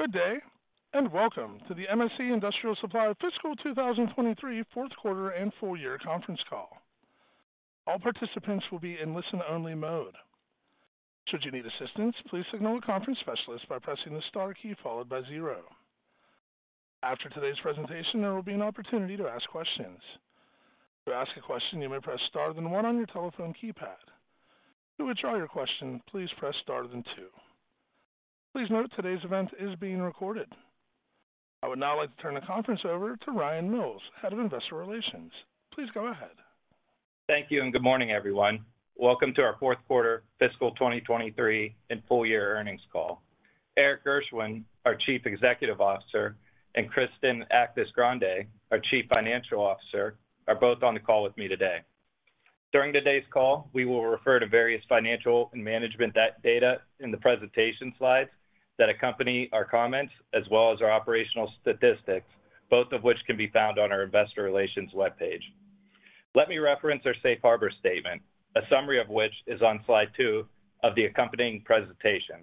Good day, and welcome to the MSC Industrial Supply Fiscal 2023 Fourth Quarter and Full Year Conference Call. All participants will be in listen-only mode. Should you need assistance, please signal a conference specialist by pressing the star key followed by zero. After today's presentation, there will be an opportunity to ask questions. To ask a question, you may press star, then one on your telephone keypad. To withdraw your question, please press star, then two. Please note, today's event is being recorded. I would now like to turn the conference over to Ryan Mills, Head of Investor Relations. Please go ahead. Thank you, and good morning, everyone. Welcome to our fourth quarter fiscal 2023 and full year earnings call. Erik Gershwind, our Chief Executive Officer, and Kristen Actis-Grande, our Chief Financial Officer, are both on the call with me today. During today's call, we will refer to various financial and management data in the presentation slides that accompany our comments, as well as our operational statistics, both of which can be found on our investor relations webpage. Let me reference our safe harbor statement, a summary of which is on slide two of the accompanying presentation.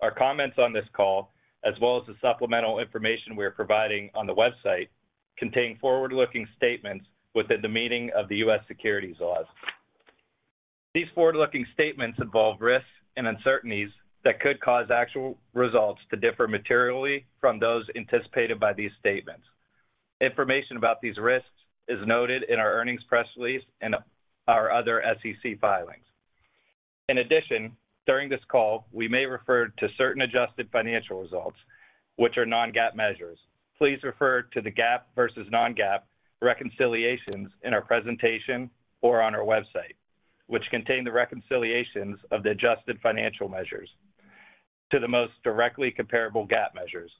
Our comments on this call, as well as the supplemental information we are providing on the website, contain forward-looking statements within the meaning of the U.S. securities laws. These forward-looking statements involve risks and uncertainties that could cause actual results to differ materially from those anticipated by these statements. Information about these risks is noted in our earnings press release and our other SEC filings. In addition, during this call, we may refer to certain adjusted financial results, which are non-GAAP measures. Please refer to the GAAP versus non-GAAP reconciliations in our presentation or on our website, which contain the reconciliations of the adjusted financial measures to the most directly comparable GAAP measures.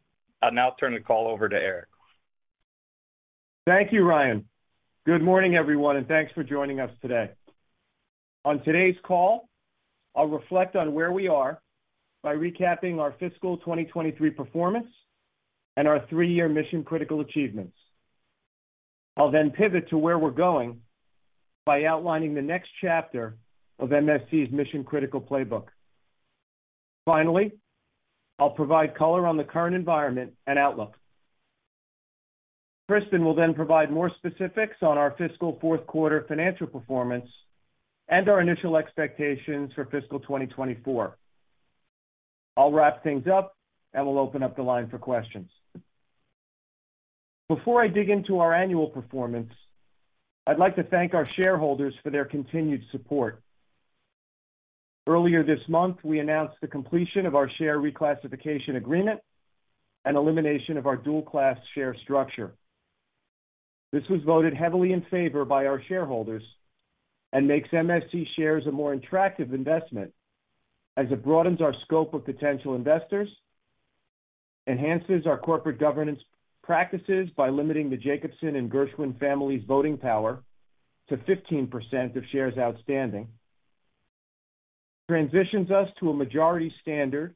I'll now turn the call over to Erik. Thank you, Ryan. Good morning, everyone, and thanks for joining us today. On today's call, I'll reflect on where we are by recapping our fiscal 2023 performance and our three-year Mission Critical achievements. I'll then pivot to where we're going by outlining the next chapter of MSC's Mission Critical playbook. Finally, I'll provide color on the current environment and outlook. Kristen will then provide more specifics on our fiscal fourth quarter financial performance and our initial expectations for fiscal 2024. I'll wrap things up, and we'll open up the line for questions. Before I dig into our annual performance, I'd like to thank our shareholders for their continued support. Earlier this month, we announced the completion of our share reclassification agreement and elimination of our dual-class share structure. This was voted heavily in favor by our shareholders and makes MSC shares a more attractive investment as it broadens our scope of potential investors, enhances our corporate governance practices by limiting the Jacobson and Gershwind families' voting power to 15% of shares outstanding, transitions us to a majority standard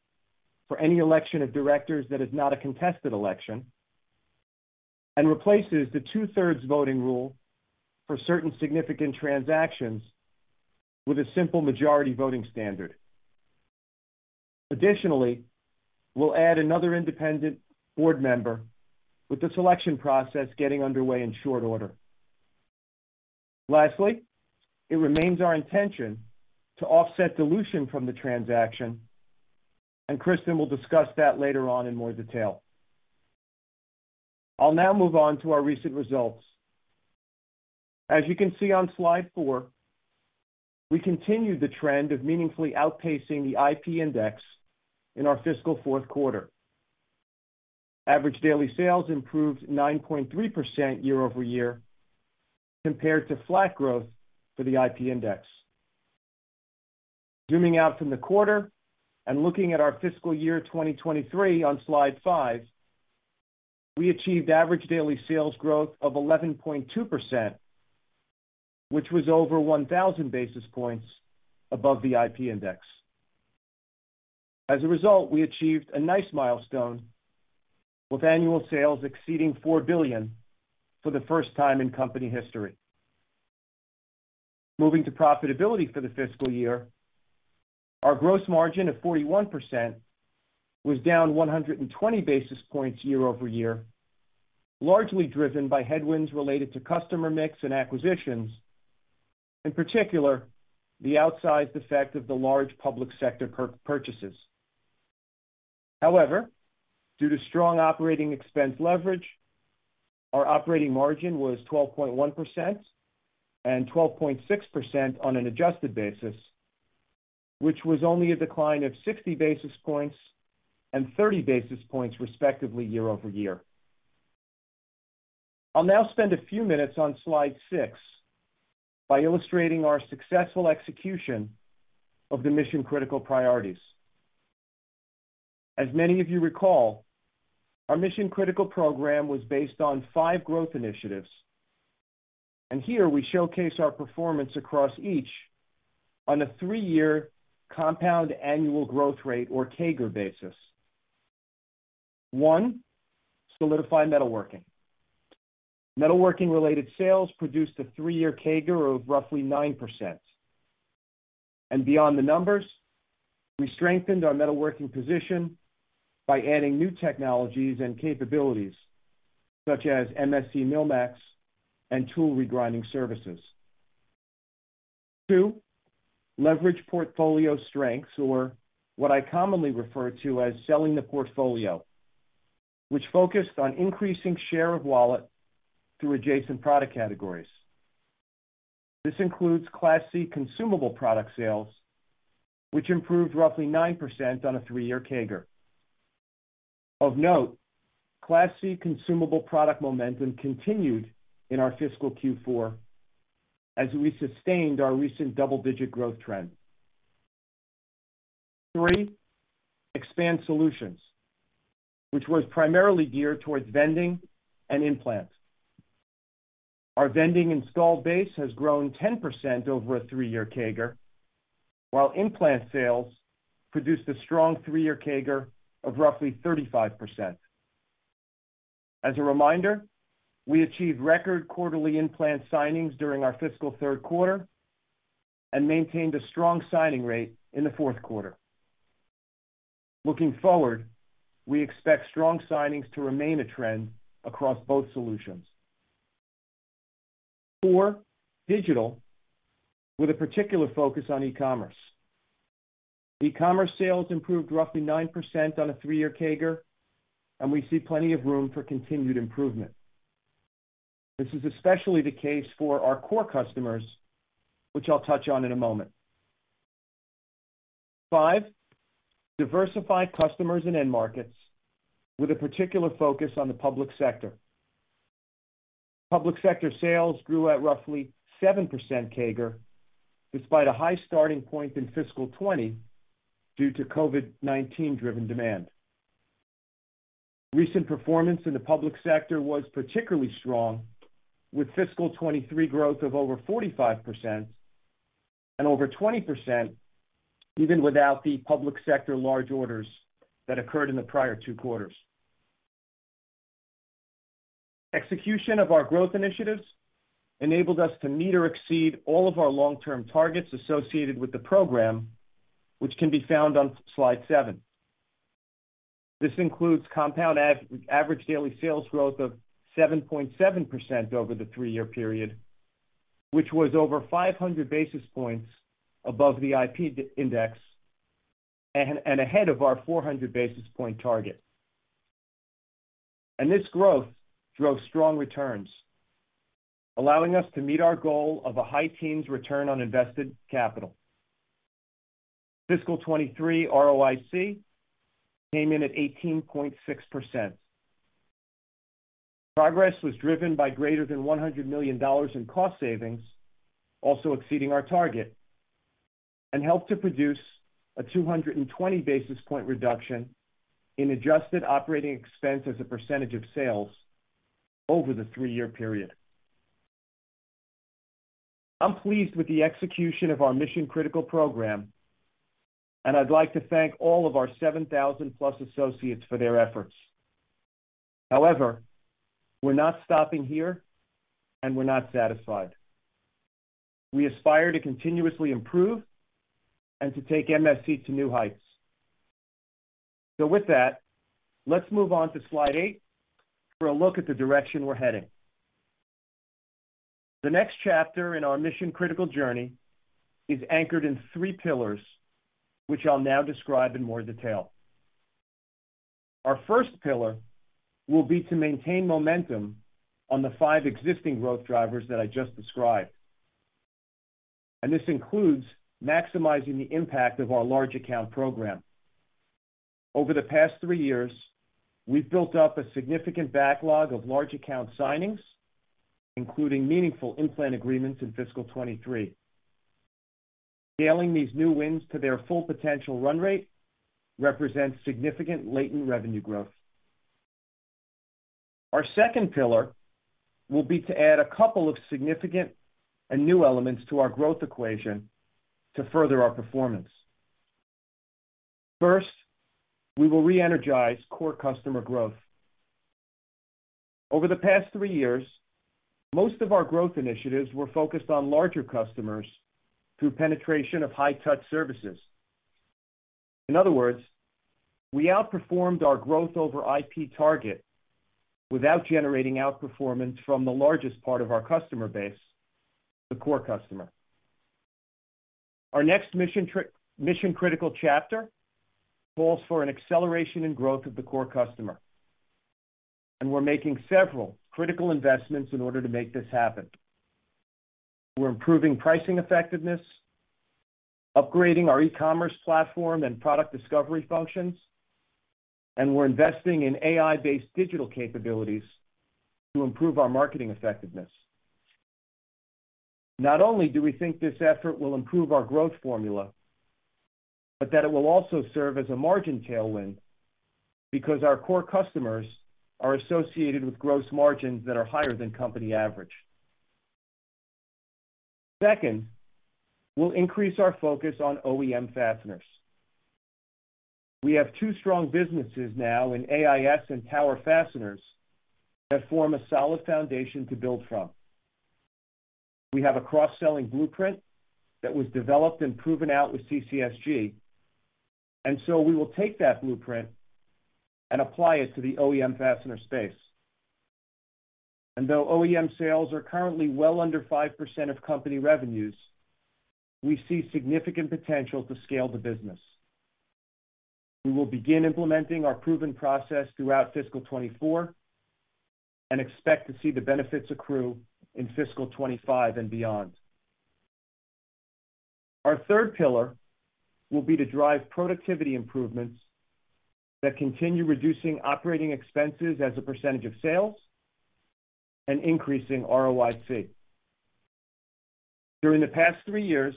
for any election of directors that is not a contested election, and replaces the two-thirds voting rule for certain significant transactions with a simple majority voting standard. Additionally, we'll add another independent board member with the selection process getting underway in short order. Lastly, it remains our intention to offset dilution from the transaction, and Kristen will discuss that later on in more detail. I'll now move on to our recent results. As you can see on slide four, we continued the trend of meaningfully outpacing the IP Index in our fiscal fourth quarter. Average daily sales improved 9.3% year-over-year, compared to flat growth for the IP Index. Zooming out from the quarter and looking at our fiscal year 2023 on slide five, we achieved average daily sales growth of 11.2%, which was over 1,000 basis points above the IP Index. As a result, we achieved a nice milestone, with annual sales exceeding $4 billion for the first time in company history. Moving to profitability for the fiscal year, our gross margin of 41% was down 120 basis points year-over-year, largely driven by headwinds related to customer mix and acquisitions, in particular, the outsized effect of the large public sector purchases. However, due to strong operating expense leverage, our operating margin was 12.1% and 12.6% on an adjusted basis, which was only a decline of 60 basis points and 30 basis points, respectively, year-over-year. I'll now spend a few minutes on slide six by illustrating our successful execution of the Mission Critical priorities. As many of you recall, our Mission Critical program was based on five growth initiatives, and here we showcase our performance across each on a three year compound annual growth rate or CAGR basis. one, solidify metalworking. Metalworking-related sales produced a three year CAGR of roughly 9%. And beyond the numbers, we strengthened our metalworking position by adding new technologies and capabilities, such as MSC MillMax and tool regrinding services. Two, leverage portfolio strengths, or what I commonly refer to as selling the portfolio, which focused on increasing share of wallet through adjacent product categories. This includes Class C consumables product sales, which improved roughly 9% on a three-year CAGR. Of note, Class C consumables product momentum continued in our fiscal Q4 as we sustained our recent double-digit growth trend. Three, expand solutions, which was primarily geared towards vending and In-Plants. Our vending installed base has grown 10% over a three-year CAGR, while In-Plant sales produced a strong three-year CAGR of roughly 35%. As a reminder, we achieved record quarterly In-Plant signings during our fiscal third quarter and maintained a strong signing rate in the fourth quarter. Looking forward, we expect strong signings to remain a trend across both solutions. four, digital, with a particular focus on e-commerce. E-commerce sales improved roughly 9% on a three year CAGR, and we see plenty of room for continued improvement. This is especially the case for our core customers, which I'll touch on in a moment. five, diversify customers and end markets with a particular focus on the public sector. Public sector sales grew at roughly 7% CAGR, despite a high starting point in fiscal 2020 due to COVID-19-driven demand. Recent performance in the public sector was particularly strong, with fiscal 2023 growth of over 45% and over 20%, even without the public sector large orders that occurred in the prior two quarters. Execution of our growth initiatives enabled us to meet or exceed all of our long-term targets associated with the program, which can be found on slide seven. This includes compound average daily sales growth of 7.7 over the three-year period, which was over 500 basis points above the IP index and ahead of our 400 basis point target. This growth drove strong returns, allowing us to meet our goal of a high teens return on invested capital. Fiscal 2023 ROIC came in at 18.6%. Progress was driven by greater than $100 million in cost savings, also exceeding our target, and helped to produce a 220 basis point reduction in adjusted operating expense as a percentage of sales over the three-year period. I'm pleased with the execution of our Mission Critical program, and I'd like to thank all of our 7,000+ associates for their efforts. However, we're not stopping here, and we're not satisfied. We aspire to continuously improve and to take MSC to new heights. So with that, let's move on to slide eight for a look at the direction we're heading. The next chapter in our Mission Critical journey is anchored in three pillars, which I'll now describe in more detail. Our first pillar will be to maintain momentum on the five existing growth drivers that I just described, and this includes maximizing the impact of our large account program. Over the past three years, we've built up a significant backlog of large account signings, including meaningful In-Plant agreements in fiscal 2023. Scaling these new wins to their full potential run rate represents significant latent revenue growth. Our second pillar will be to add a couple of significant and new elements to our growth equation to further our performance. First, we will re-energize core customer growth. Over the past three years, most of our growth initiatives were focused on larger customers through penetration of high-touch services. In other words, we outperformed our growth over IP target without generating outperformance from the largest part of our customer base, the core customer. Our next Mission Critical chapter calls for an acceleration in growth of the core customer, and we're making several critical investments in order to make this happen. We're improving pricing effectiveness, upgrading our e-commerce platform and product discovery functions, and we're investing in AI-based digital capabilities to improve our marketing effectiveness. Not only do we think this effort will improve our growth formula, but that it will also serve as a margin tailwind, because our core customers are associated with gross margins that are higher than company average. Second, we'll increase our focus on OEM fasteners. We have two strong businesses now in AIS and Tower Fasteners that form a solid foundation to build from. We have a cross-selling blueprint that was developed and proven out with CCSG, and so we will take that blueprint and apply it to the OEM fastener space. And though OEM sales are currently well under 5% of company revenues, we see significant potential to scale the business. We will begin implementing our proven process throughout fiscal 2024 and expect to see the benefits accrue in fiscal 2025 and beyond. Our third pillar will be to drive productivity improvements that continue reducing operating expenses as a percentage of sales and increasing ROIC. During the past three years,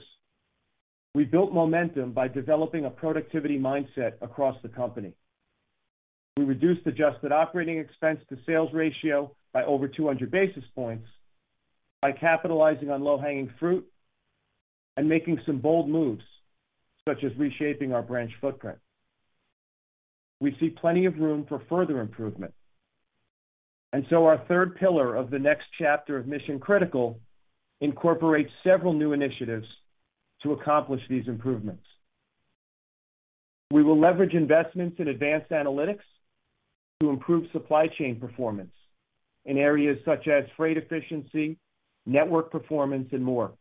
we built momentum by developing a productivity mindset across the company. We reduced adjusted operating expense to sales ratio by over 200 basis points by capitalizing on low-hanging fruit and making some bold moves, such as reshaping our branch footprint. We see plenty of room for further improvement, and so our third pillar of the next chapter of Mission Critical incorporates several new initiatives to accomplish these improvements. We will leverage investments in advanced analytics to improve supply chain performance in areas such as freight efficiency, network performance, and more.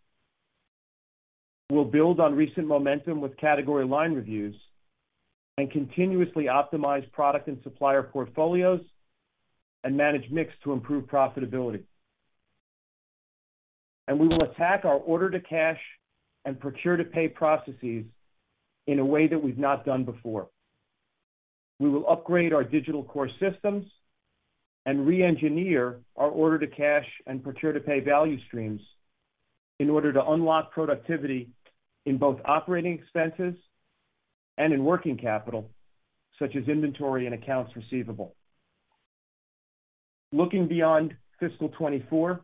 We'll build on recent momentum with Category Line Reviews and continuously optimize product and supplier portfolios and manage mix to improve profitability. And we will attack our Order-to-Cash and Procure-to-Pay processes in a way that we've not done before. We will upgrade our digital core systems and reengineer our order-to-cash and procure-to-pay value streams in order to unlock productivity in both operating expenses and in working capital, such as inventory and accounts receivable. Looking beyond fiscal 2024,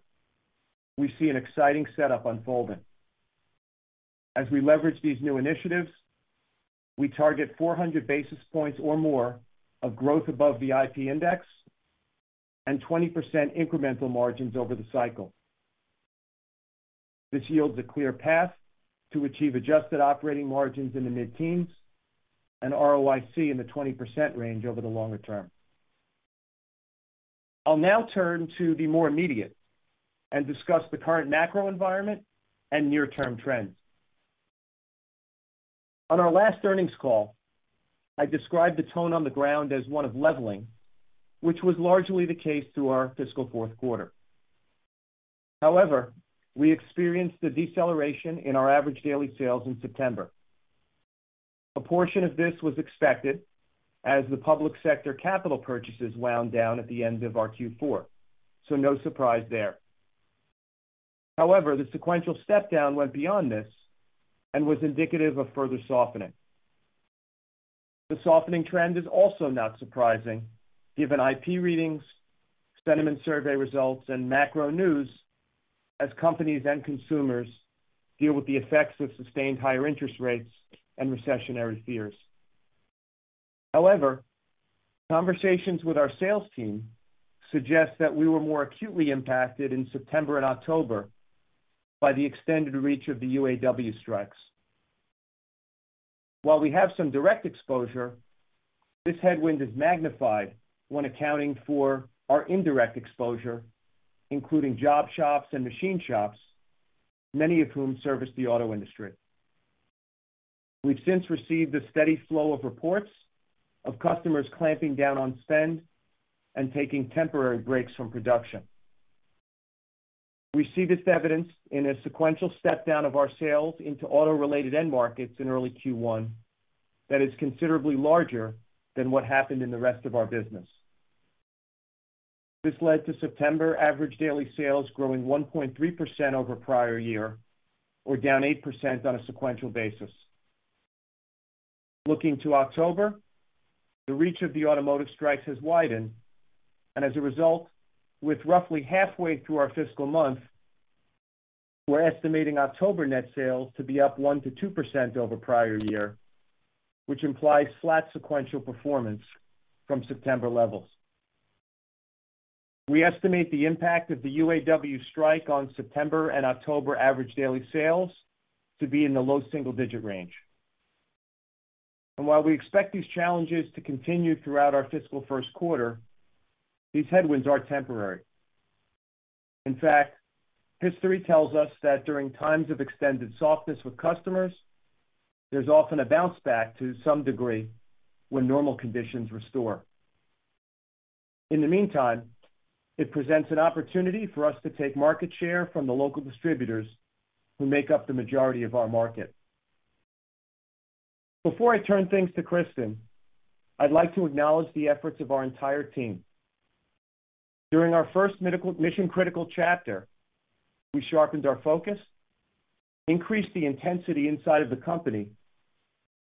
we see an exciting setup unfolding. As we leverage these new initiatives, we target 400 basis points or more of growth above the IP Index and 20% incremental margins over the cycle. This yields a clear path to achieve adjusted operating margins in the mid-teens and ROIC in the 20% range over the longer term. I'll now turn to the more immediate and discuss the current macro environment and near-term trends. On our last earnings call, I described the tone on the ground as one of leveling, which was largely the case through our fiscal fourth quarter. However, we experienced a deceleration in our average daily sales in September. A portion of this was expected as the public sector capital purchases wound down at the end of our Q4, so no surprise there. However, the sequential step down went beyond this and was indicative of further softening. The softening trend is also not surprising, given IP readings, sentiment survey results, and macro news as companies and consumers deal with the effects of sustained higher interest rates and recessionary fears. However, conversations with our sales team suggest that we were more acutely impacted in September and October by the extended reach of the UAW strikes. While we have some direct exposure, this headwind is magnified when accounting for our indirect exposure, including job shops and machine shops, many of whom service the auto industry. We've since received a steady flow of reports of customers clamping down on spend and taking temporary breaks from production. We see this evidence in a sequential step down of our sales into auto-related end markets in early Q1 that is considerably larger than what happened in the rest of our business. This led to September average daily sales growing 1.3% over prior year, or down 8% on a sequential basis. Looking to October, the reach of the automotive strikes has widened, and as a result, with roughly halfway through our fiscal month, we're estimating October net sales to be up 1%-2% over prior year, which implies flat sequential performance from September levels. We estimate the impact of the UAW strike on September and October average daily sales to be in the low single-digit range. While we expect these challenges to continue throughout our fiscal first quarter, these headwinds are temporary. In fact, history tells us that during times of extended softness with customers, there's often a bounce back to some degree when normal conditions restore. In the meantime, it presents an opportunity for us to take market share from the local distributors who make up the majority of our market. Before I turn things to Kristen, I'd like to acknowledge the efforts of our entire team. During our first Mission Critical chapter, we sharpened our focus, increased the intensity inside of the company,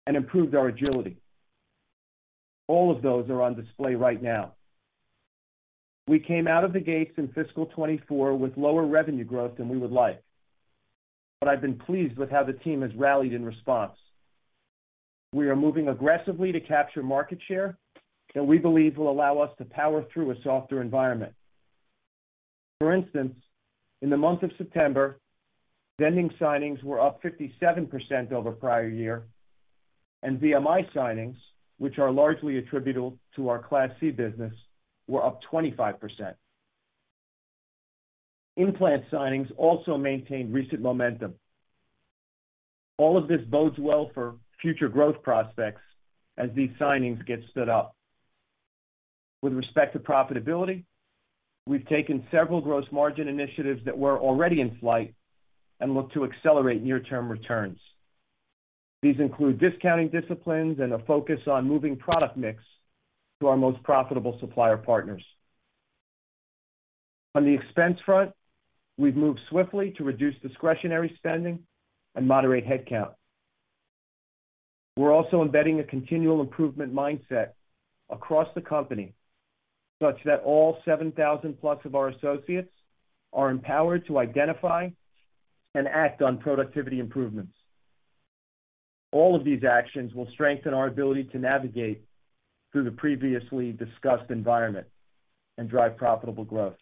and improved our agility. All of those are on display right now... We came out of the gates in fiscal 2024 with lower revenue growth than we would like, but I've been pleased with how the team has rallied in response. We are moving aggressively to capture market share that we believe will allow us to power through a softer environment. For instance, in the month of September, vending signings were up 57% over prior year, and VMI signings, which are largely attributable to our Class C business, were up 25%. In-Plant signings also maintained recent momentum. All of this bodes well for future growth prospects as these signings get stood up. With respect to profitability, we've taken several gross margin initiatives that were already in flight and look to accelerate near-term returns. These include discounting disciplines and a focus on moving product mix to our most profitable supplier partners. On the expense front, we've moved swiftly to reduce discretionary spending and moderate headcount. We're also embedding a continual improvement mindset across the company such that all 7,000+ of our associates are empowered to identify and act on productivity improvements. All of these actions will strengthen our ability to navigate through the previously discussed environment and drive profitable growth.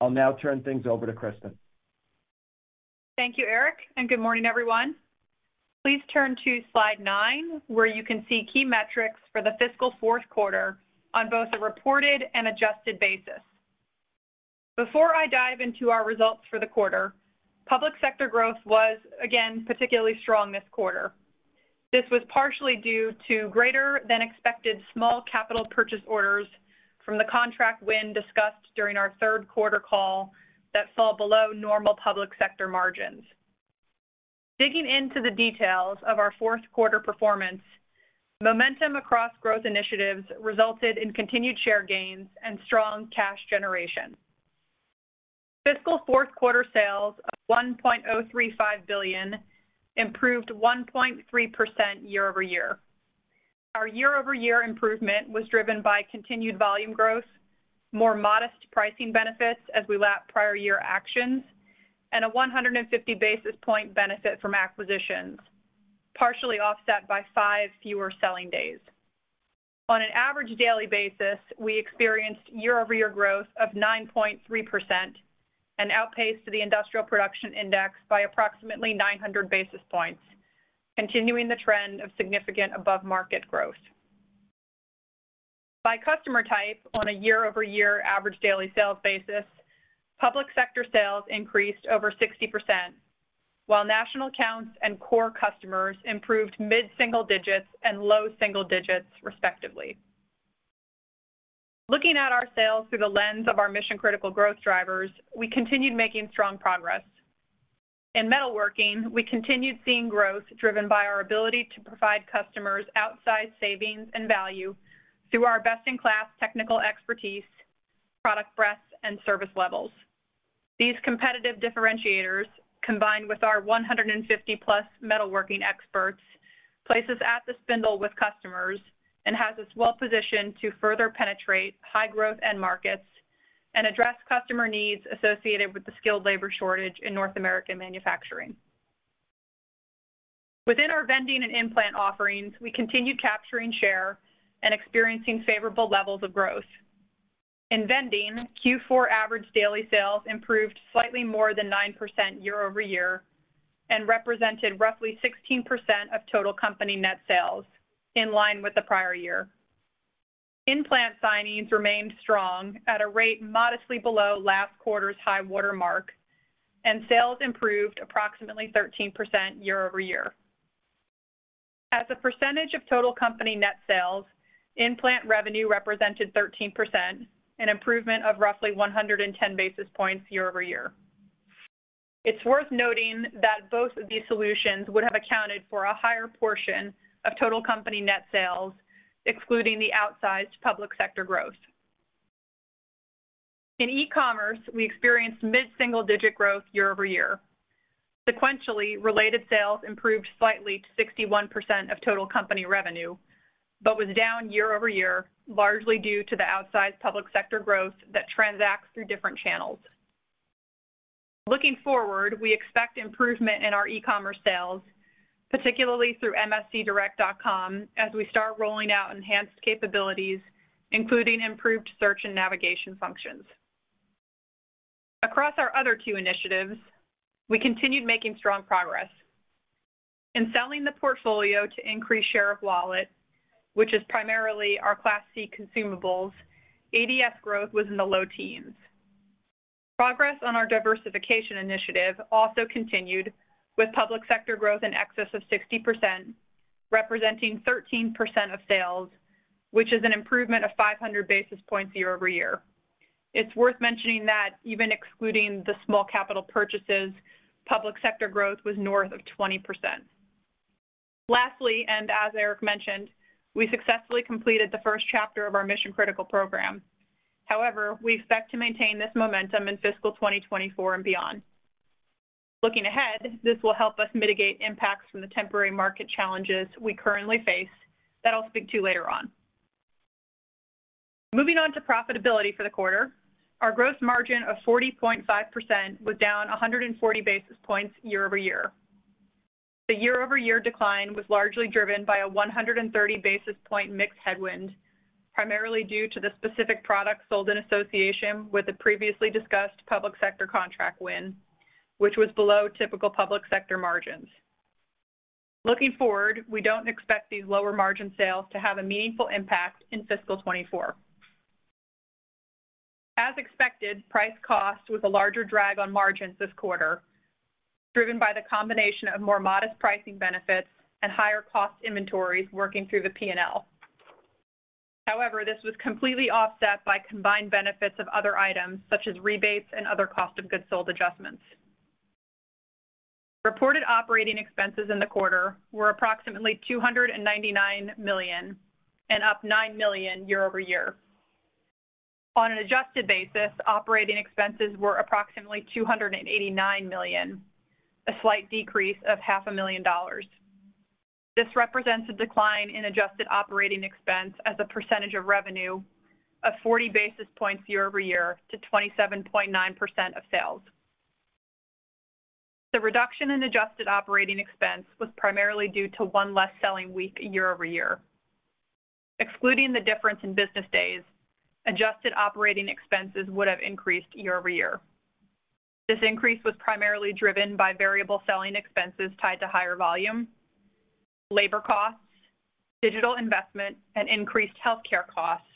I'll now turn things over to Kristen. Thank you, Erik, and good morning, everyone. Please turn to slide 9, where you can see key metrics for the fiscal fourth quarter on both a reported and adjusted basis. Before I dive into our results for the quarter, public sector growth was again particularly strong this quarter. This was partially due to greater than expected small capital purchase orders from the contract win discussed during our third quarter call, that fell below normal public sector margins. Digging into the details of our fourth quarter performance, momentum across growth initiatives resulted in continued share gains and strong cash generation. Fiscal fourth quarter sales of $1.035 billion improved 1.3% year-over-year. Our year-over-year improvement was driven by continued volume growth, more modest pricing benefits as we lap prior year actions, and a 150 basis point benefit from acquisitions, partially offset by five fewer selling days. On an average daily basis, we experienced year-over-year growth of 9.3% and outpaced the Industrial Production Index by approximately 900 basis points, continuing the trend of significant above-market growth. By customer type on a year-over-year average daily sales basis, public sector sales increased over 60%, while national accounts and core customers improved mid-single digits and low single digits, respectively. Looking at our sales through the lens of our Mission Critical growth drivers, we continued making strong progress. In metalworking, we continued seeing growth driven by our ability to provide customers outsized savings and value through our best-in-class technical expertise, product breadth and service levels. These competitive differentiators, combined with our 150+ metalworking experts, place us at the spindle with customers and has us well positioned to further penetrate high-growth end markets and address customer needs associated with the skilled labor shortage in North American manufacturing. Within our vending and In-Plant offerings, we continued capturing share and experiencing favorable levels of growth. In vending, Q4 average daily sales improved slightly more than 9% year-over-year and represented roughly 16% of total company net sales, in line with the prior year. In-Plant signings remained strong at a rate modestly below last quarter's high-water mark, and sales improved approximately 13% year-over-year. As a percentage of total company net sales, In-Plant revenue represented 13%, an improvement of roughly 110 basis points year-over-year. It's worth noting that both of these solutions would have accounted for a higher portion of total company net sales, excluding the outsized public sector growth. In e-commerce, we experienced mid-single digit growth year-over-year. Sequentially, related sales improved slightly to 61% of total company revenue, but was down year-over-year, largely due to the outsized public sector growth that transacts through different channels. Looking forward, we expect improvement in our e-commerce sales, particularly through mscdirect.com, as we start rolling out enhanced capabilities, including improved search and navigation functions. Across our other two initiatives, we continued making strong progress. In selling the portfolio to increase share of wallet, which is primarily our Class C Consumables, ADS growth was in the low teens. Progress on our diversification initiative also continued, with public sector growth in excess of 60%, representing 13% of sales, which is an improvement of 500 basis points year over year. It's worth mentioning that even excluding the small capital purchases, public sector growth was north of 20%. Lastly, and as Erik mentioned, we successfully completed the first chapter of our Mission Critical program. However, we expect to maintain this momentum in fiscal 2024 and beyond.... Looking ahead, this will help us mitigate impacts from the temporary market challenges we currently face that I'll speak to later on. Moving on to profitability for the quarter. Our gross margin of 40.5% was down 140 basis points year over year. The year-over-year decline was largely driven by a 130 basis point mix headwind, primarily due to the specific products sold in association with the previously discussed public sector contract win, which was below typical public sector margins. Looking forward, we don't expect these lower margin sales to have a meaningful impact in fiscal 2024. As expected, price cost was a larger drag on margins this quarter, driven by the combination of more modest pricing benefits and higher cost inventories working through the P&L. However, this was completely offset by combined benefits of other items such as rebates and other cost of goods sold adjustments. Reported operating expenses in the quarter were approximately $299 million, and up $9 million year-over-year. On an adjusted basis, operating expenses were approximately $289 million, a slight decrease of $500,000. This represents a decline in adjusted operating expense as a percentage of revenue of 40 basis points year-over-year to 27.9% of sales. The reduction in adjusted operating expense was primarily due to one less selling week year-over-year. Excluding the difference in business days, adjusted operating expenses would have increased year-over-year. This increase was primarily driven by variable selling expenses tied to higher volume, labor costs, digital investment and increased healthcare costs,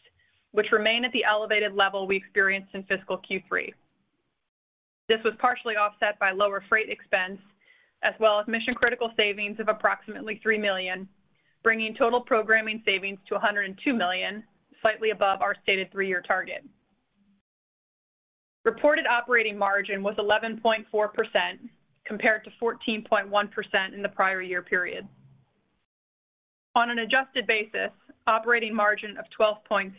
which remain at the elevated level we experienced in fiscal Q3. This was partially offset by lower freight expense as well as Mission Critical savings of approximately $3 million, bringing total programming savings to $102 million, slightly above our stated three year target. Reported operating margin was 11.4%, compared to 14.1% in the prior year period. On an adjusted basis, operating margin of 12.6%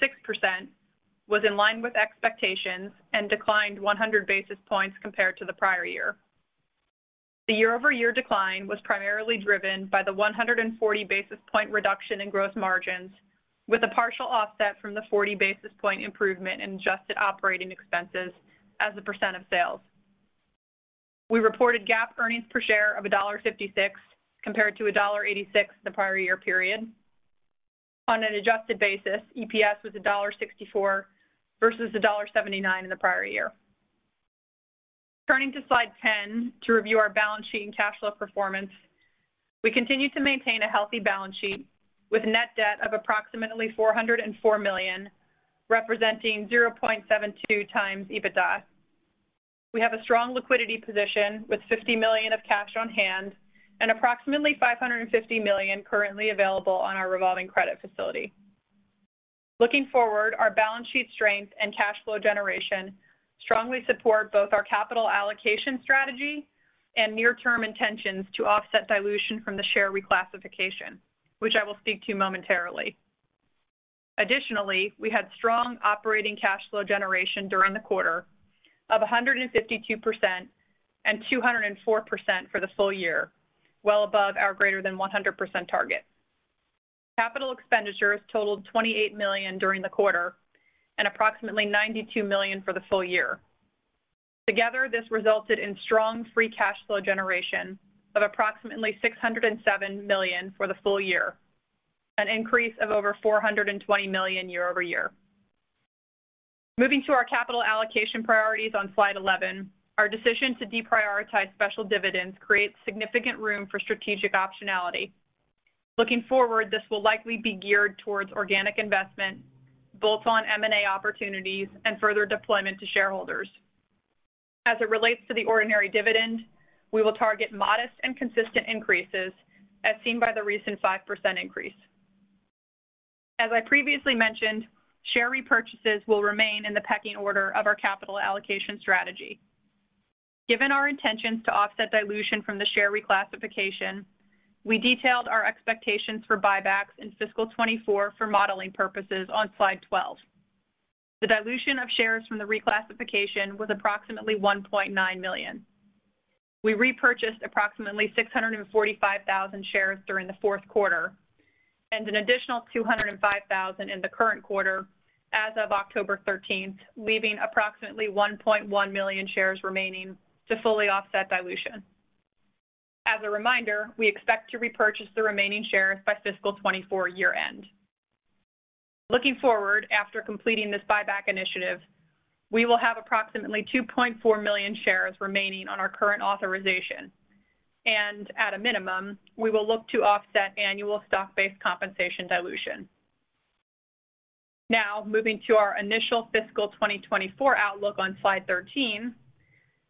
was in line with expectations and declined 100 basis points compared to the prior year. The year-over-year decline was primarily driven by the 140 basis point reduction in gross margins, with a partial offset from the 40 basis point improvement in adjusted operating expenses as a percent of sales. We reported GAAP earnings per share of $1.56, compared to $1.86 the prior year period. On an adjusted basis, EPS was $1.64 versus $1.79 in the prior year. Turning to Slide 10, to review our balance sheet and cash flow performance. We continue to maintain a healthy balance sheet with net debt of approximately $404 million, representing 0.72x EBITDA. We have a strong liquidity position with $50 million of cash on hand and approximately $550 million currently available on our revolving credit facility. Looking forward, our balance sheet strength and cash flow generation strongly support both our capital allocation strategy and near-term intentions to offset dilution from the share reclassification, which I will speak to momentarily. Additionally, we had strong operating cash flow generation during the quarter of 152% and 204% for the full year, well above our greater than 100% target. Capital expenditures totaled $28 million during the quarter and approximately $92 million for the full year. Together, this resulted in strong free cash flow generation of approximately $607 million for the full year, an increase of over $420 million year-over-year. Moving to our capital allocation priorities on Slide 11. Our decision to deprioritize special dividends creates significant room for strategic optionality. Looking forward, this will likely be geared towards organic investment, both on M&A opportunities and further deployment to shareholders. As it relates to the ordinary dividend, we will target modest and consistent increases as seen by the recent 5% increase. As I previously mentioned, share repurchases will remain in the pecking order of our capital allocation strategy. Given our intentions to offset dilution from the share reclassification, we detailed our expectations for buybacks in fiscal 2024 for modeling purposes on Slide 12. The dilution of shares from the reclassification was approximately 1.9 million. We repurchased approximately 645,000 shares during the fourth quarter and an additional 205,000 in the current quarter as of October 13, leaving approximately 1.1 million shares remaining to fully offset dilution. As a reminder, we expect to repurchase the remaining shares by fiscal 2024 year-end. Looking forward, after completing this buyback initiative, we will have approximately 2.4 million shares remaining on our current authorization, and at a minimum, we will look to offset annual stock-based compensation dilution. Now, moving to our initial fiscal 2024 outlook on Slide 13.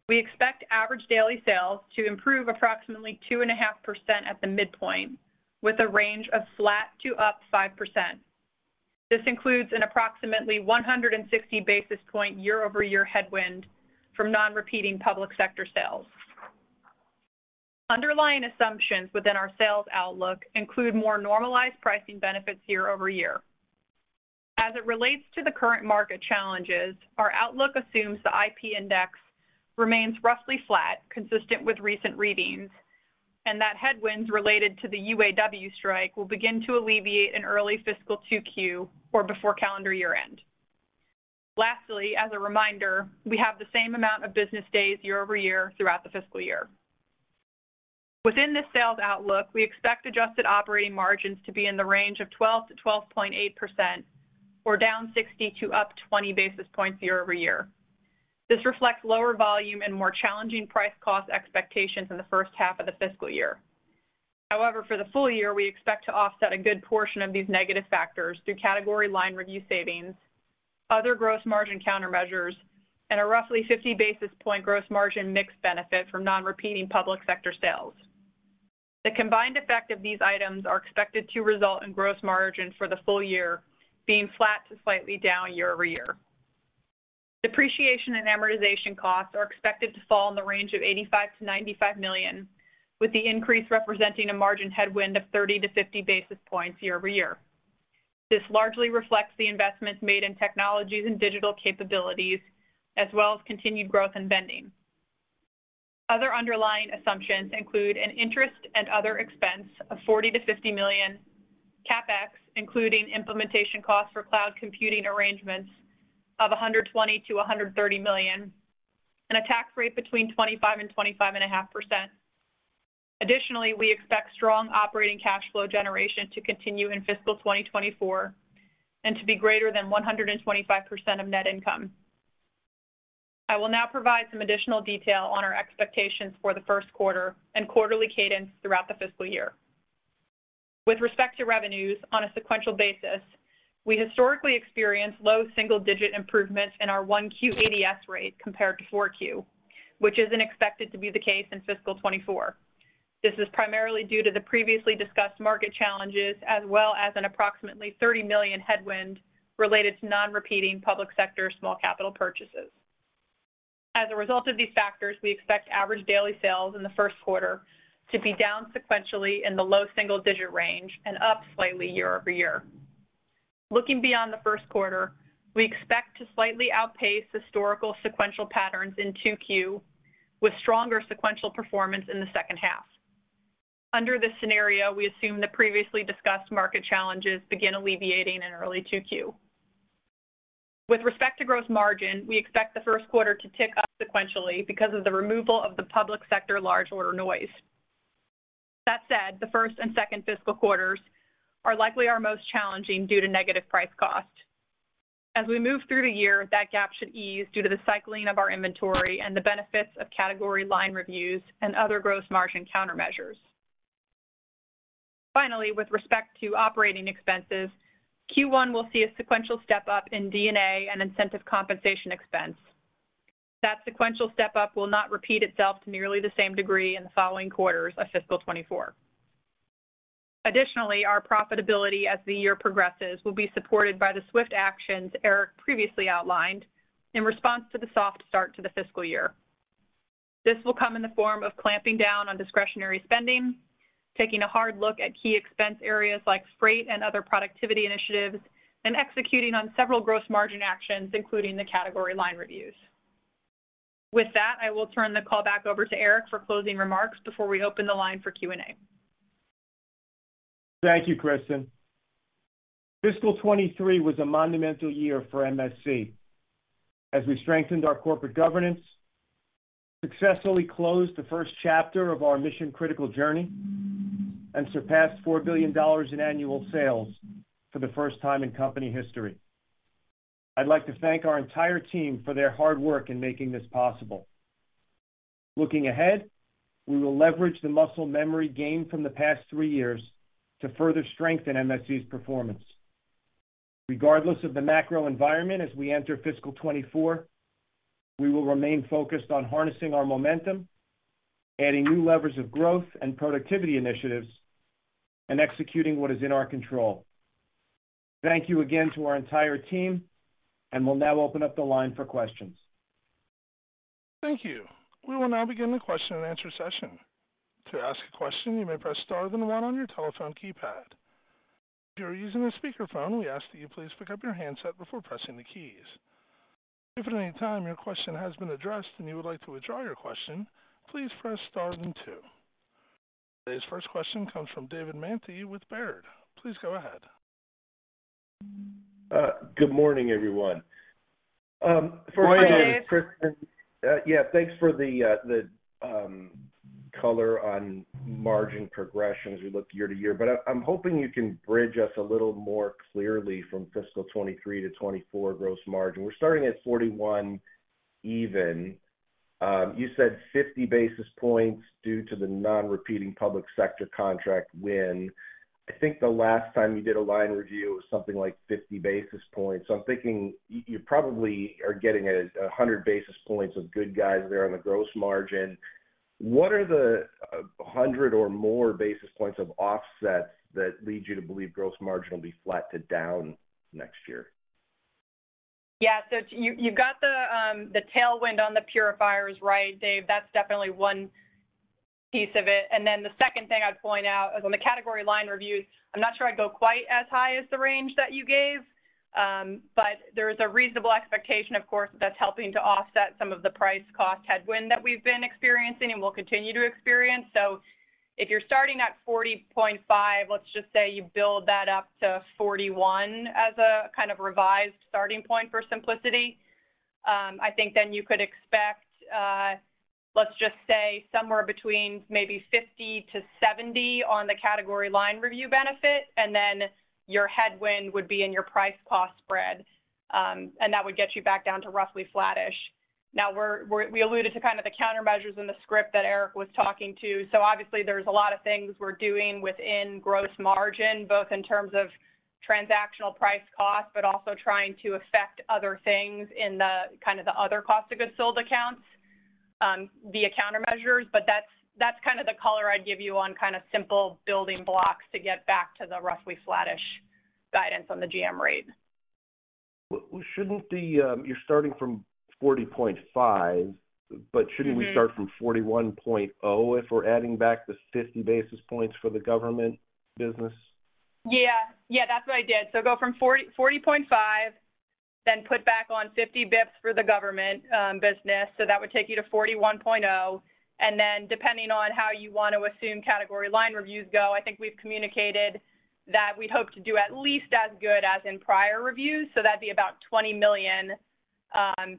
We expect average daily sales to improve approximately 2.5% at the midpoint, with a range of flat to up 5%. This includes an approximately 160 basis point year-over-year headwind from non-repeating public sector sales. Underlying assumptions within our sales outlook include more normalized pricing benefits year-over-year. As it relates to the current market challenges, our outlook assumes the IP Index remains roughly flat, consistent with recent readings, and that headwinds related to the UAW strike will begin to alleviate in early fiscal 2Q or before calendar year-end. Lastly, as a reminder, we have the same amount of business days year-over-year throughout the fiscal year. Within this sales outlook, we expect adjusted operating margins to be in the range of 12%-12.8%, or down 60 to up 20 basis points year-over-year. This reflects lower volume and more challenging price cost expectations in the first half of the fiscal year. However, for the full year, we expect to offset a good portion of these negative factors through Category Line Review savings, other gross margin countermeasures, and a roughly 50 basis point gross margin mix benefit from non-repeating public sector sales. The combined effect of these items are expected to result in gross margin for the full year being flat to slightly down year-over-year. Depreciation and amortization costs are expected to fall in the range of $85 million-$95 million, with the increase representing a margin headwind of 30-50 basis points year-over-year. This largely reflects the investments made in technologies and digital capabilities, as well as continued growth in vending. Other underlying assumptions include an interest and other expense of $40 million-$50 million, CapEx, including implementation costs for cloud computing arrangements of $120 million-$130 million, and a tax rate between 25% and 25.5%. Additionally, we expect strong operating cash flow generation to continue in fiscal 2024 and to be greater than 125% of net income. I will now provide some additional detail on our expectations for the first quarter and quarterly cadence throughout the fiscal year. With respect to revenues, on a sequential basis, we historically experienced low single-digit improvements in our 1Q ADS rate compared to 4Q, which isn't expected to be the case in fiscal 2024. This is primarily due to the previously discussed market challenges, as well as an approximately $30 million headwind related to non-repeating public sector small capital purchases. As a result of these factors, we expect average daily sales in the first quarter to be down sequentially in the low single-digit range and up slightly year-over-year. Looking beyond the first quarter, we expect to slightly outpace historical sequential patterns in 2Q, with stronger sequential performance in the second half. Under this scenario, we assume the previously discussed market challenges begin alleviating in early 2Q. With respect to gross margin, we expect the first quarter to tick up sequentially because of the removal of the public sector large order noise. That said, the first and second fiscal quarters are likely our most challenging due to negative price cost. As we move through the year, that gap should ease due to the cycling of our inventory and the benefits of category line reviews and other gross margin countermeasures. Finally, with respect to operating expenses, Q1 will see a sequential step-up in D&A and incentive compensation expense. That sequential step-up will not repeat itself to nearly the same degree in the following quarters of fiscal 2024. Additionally, our profitability as the year progresses, will be supported by the swift actions Erik previously outlined in response to the soft start to the fiscal year. This will come in the form of clamping down on discretionary spending, taking a hard look at key expense areas like freight and other productivity initiatives, and executing on several gross margin actions, including the category line reviews. With that, I will turn the call back over to Erik for closing remarks before we open the line for Q&A. Thank you, Kristen. Fiscal 2023 was a monumental year for MSC as we strengthened our corporate governance, successfully closed the first chapter of our Mission Critical journey, and surpassed $4 billion in annual sales for the first time in company history. I'd like to thank our entire team for their hard work in making this possible. Looking ahead, we will leverage the muscle memory gained from the past three years to further strengthen MSC's performance. Regardless of the macro environment as we enter fiscal 2024, we will remain focused on harnessing our momentum, adding new levers of growth and productivity initiatives, and executing what is in our control. Thank you again to our entire team, and we'll now open up the line for questions. Thank you. We will now begin the question and answer session. To ask a question, you may press star then one on your telephone keypad. If you are using a speakerphone, we ask that you please pick up your handset before pressing the keys. If at any time your question has been addressed and you would like to withdraw your question, please press star then two. Today's first question comes from David Manthey with Baird. Please go ahead. Good morning, everyone. Good morning. For Kristen, yeah, thanks for the color on margin progression as we look year to year. But I, I'm hoping you can bridge us a little more clearly from fiscal 2023 to 2024 gross margin. We're starting at 41 even. You said 50 basis points due to the non-repeating public sector contract win. I think the last time you did a line review, it was something like 50 basis points. So I'm thinking you probably are getting a hundred basis points of good guys there on the gross margin. What are the hundred or more basis points of offsets that lead you to believe gross margin will be flat to down next year? Yeah, so you, you've got the tailwind on the purifiers, right, David? That's definitely one piece of it. And then the second thing I'd point out is on the Category Line Reviews. I'm not sure I'd go quite as high as the range that you gave, but there is a reasonable expectation, of course, that's helping to offset some of the price cost headwind that we've been experiencing and will continue to experience. So if you're starting at 40.5, let's just say you build that up to 41 as a kind of revised starting point for simplicity. I think then you could expect, let's just say somewhere between maybe 50-70 on the Category Line Reviews benefit, and then your headwind would be in your price cost spread, and that would get you back down to roughly flattish. Now, we alluded to kind of the countermeasures in the script that Erik was talking to. So obviously, there's a lot of things we're doing within gross margin, both in terms of transactional price cost, but also trying to affect other things in the, kind of, the other cost of goods sold accounts, via countermeasures. But that's kind of the color I'd give you on kind of simple building blocks to get back to the roughly flattish guidance on the GM rate. Well, shouldn't the... You're starting from 40.5, but shouldn't we start from 41.0, if we're adding back the 50 basis points for the government business? Yeah. Yeah, that's what I did. So go from 40, 40.5, then put back on 50 basis points for the government business, so that would take you to 41.0. And then, depending on how you want to assume Category Line Reviews go, I think we've communicated that we hope to do at least as good as in prior reviews, so that'd be about $20 million. I, you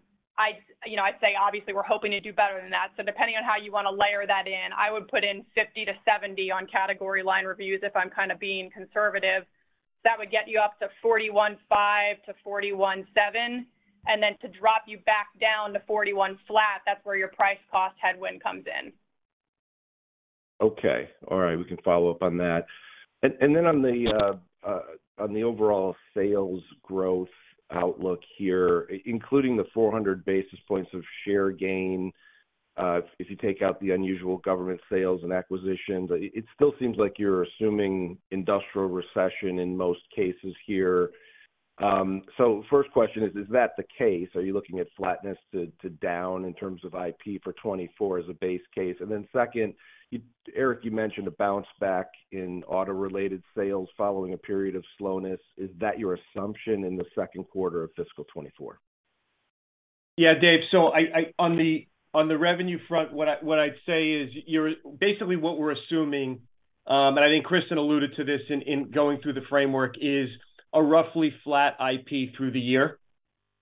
know, I'd say obviously we're hoping to do better than that. So depending on how you want to layer that in, I would put in $50 million-$70 million on Category Line Reviews if I'm kind of being conservative. That would get you up to 41.5-41.7, and then to drop you back down to 41.0, that's where your price cost headwind comes in. Okay. All right, we can follow up on that. And, and then on the overall sales growth outlook here, including the 400 basis points of share gain, if you take out the unusual government sales and acquisitions, it, it still seems like you're assuming industrial recession in most cases here. So first question is, is that the case? Are you looking at flatness to, to down in terms of IP for 2024 as a base case? And then second, you-- Erik, you mentioned a bounce back in auto-related sales following a period of slowness. Is that your assumption in the second quarter of fiscal 2024? Yeah, David. So I on the revenue front, what I'd say is, you're—basically what we're assuming, and I think Kristen alluded to this in going through the framework, is a roughly flat IP through the year.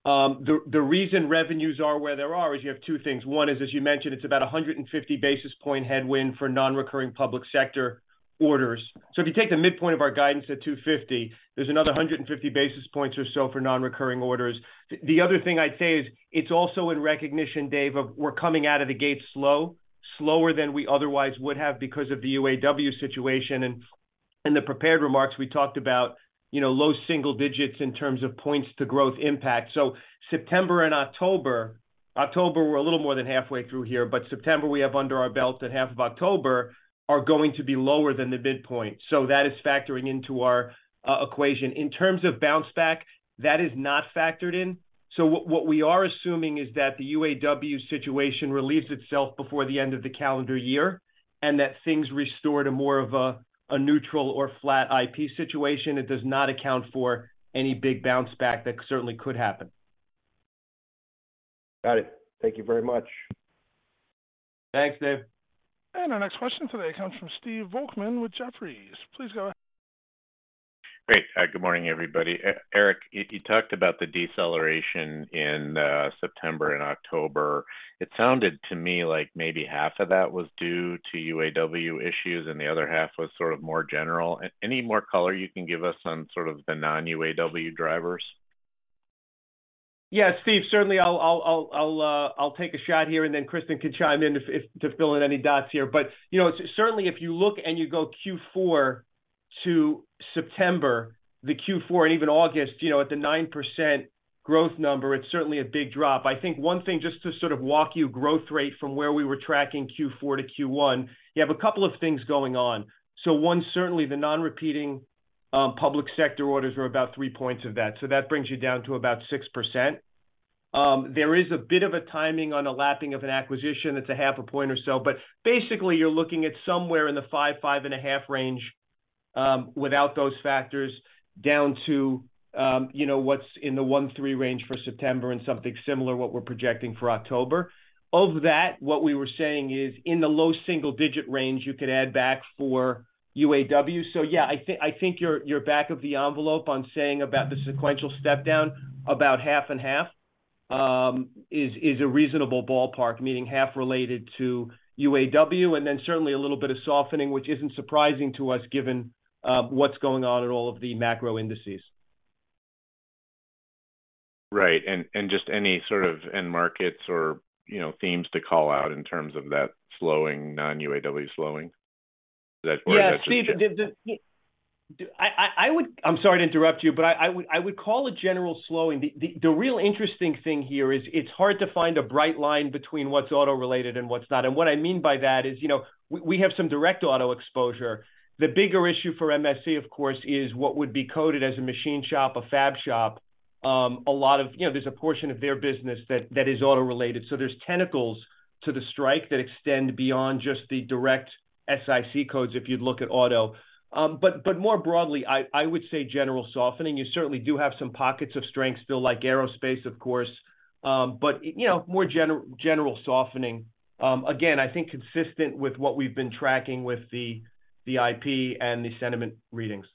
The reason revenues are where they are is you have two things. One is, as you mentioned, it's about 150 basis point headwind for non-recurring public sector orders. So if you take the midpoint of our guidance at 250, there's another 150 basis points or so for non-recurring orders. The other thing I'd say is, it's also in recognition, Dave, of we're coming out of the gate slower than we otherwise would have because of the UAW situation. In the prepared remarks, we talked about, you know, low single digits in terms of points to growth impact. So September and October, October, we're a little more than halfway through here, but September, we have under our belt, that half of October are going to be lower than the midpoint. So that is factoring into our equation. In terms of bounce back, that is not factored in. So what we are assuming is that the UAW situation relieves itself before the end of the calendar year, and that things restore to more of a neutral or flat IP situation. It does not account for any big bounce back. That certainly could happen. Got it. Thank you very much. Thanks, David. Our next question today comes from Stephen Volkmann with Jefferies. Please go ahead. Great. Good morning, everybody. Erik, you talked about the deceleration in September and October. It sounded to me like maybe half of that was due to UAW issues, and the other half was sort of more general. Any more color you can give us on sort of the non-UAW drivers? Yeah, Steve, certainly I'll take a shot here, and then Kristen can chime in if to fill in any dots here. But, you know, certainly if you look and you go Q4 to September, the Q4 and even August, you know, at the 9% growth number, it's certainly a big drop. I think one thing, just to sort of walk you growth rate from where we were tracking Q4 to Q1, you have a couple of things going on. So one, certainly the non-repeating public sector orders are about 3 points of that. So that brings you down to about 6%. There is a bit of a timing on a lapping of an acquisition, it's a 0.5 point or so, but basically, you're looking at somewhere in the 5-5.5 range, without those factors, down to, you know, what's in the 1-3 range for September and something similar, what we're projecting for October. Of that, what we were saying is in the low single digit range, you could add back for UAW. So yeah, I think, I think your, your back of the envelope on saying about the sequential step down, about half and half, is, is a reasonable ballpark, meaning half related to UAW, and then certainly a little bit of softening, which isn't surprising to us, given, what's going on in all of the macro indices. Right. And just any sort of end markets or, you know, themes to call out in terms of that slowing, non-UAW slowing? Is that fair assessment- Yeah, Steve, I would—I'm sorry to interrupt you, but I would call it general slowing. The real interesting thing here is it's hard to find a bright line between what's auto-related and what's not. And what I mean by that is, you know, we have some direct auto exposure. The bigger issue for MSC, of course, is what would be coded as a machine shop, a fab shop. A lot of, you know, there's a portion of their business that is auto-related. So there's tentacles to the strike that extend beyond just the direct SIC codes, if you'd look at auto. But more broadly, I would say general softening. You certainly do have some pockets of strength still, like aerospace, of course, but you know, more general softening. Again, I think consistent with what we've been tracking with the IP and the sentiment readings.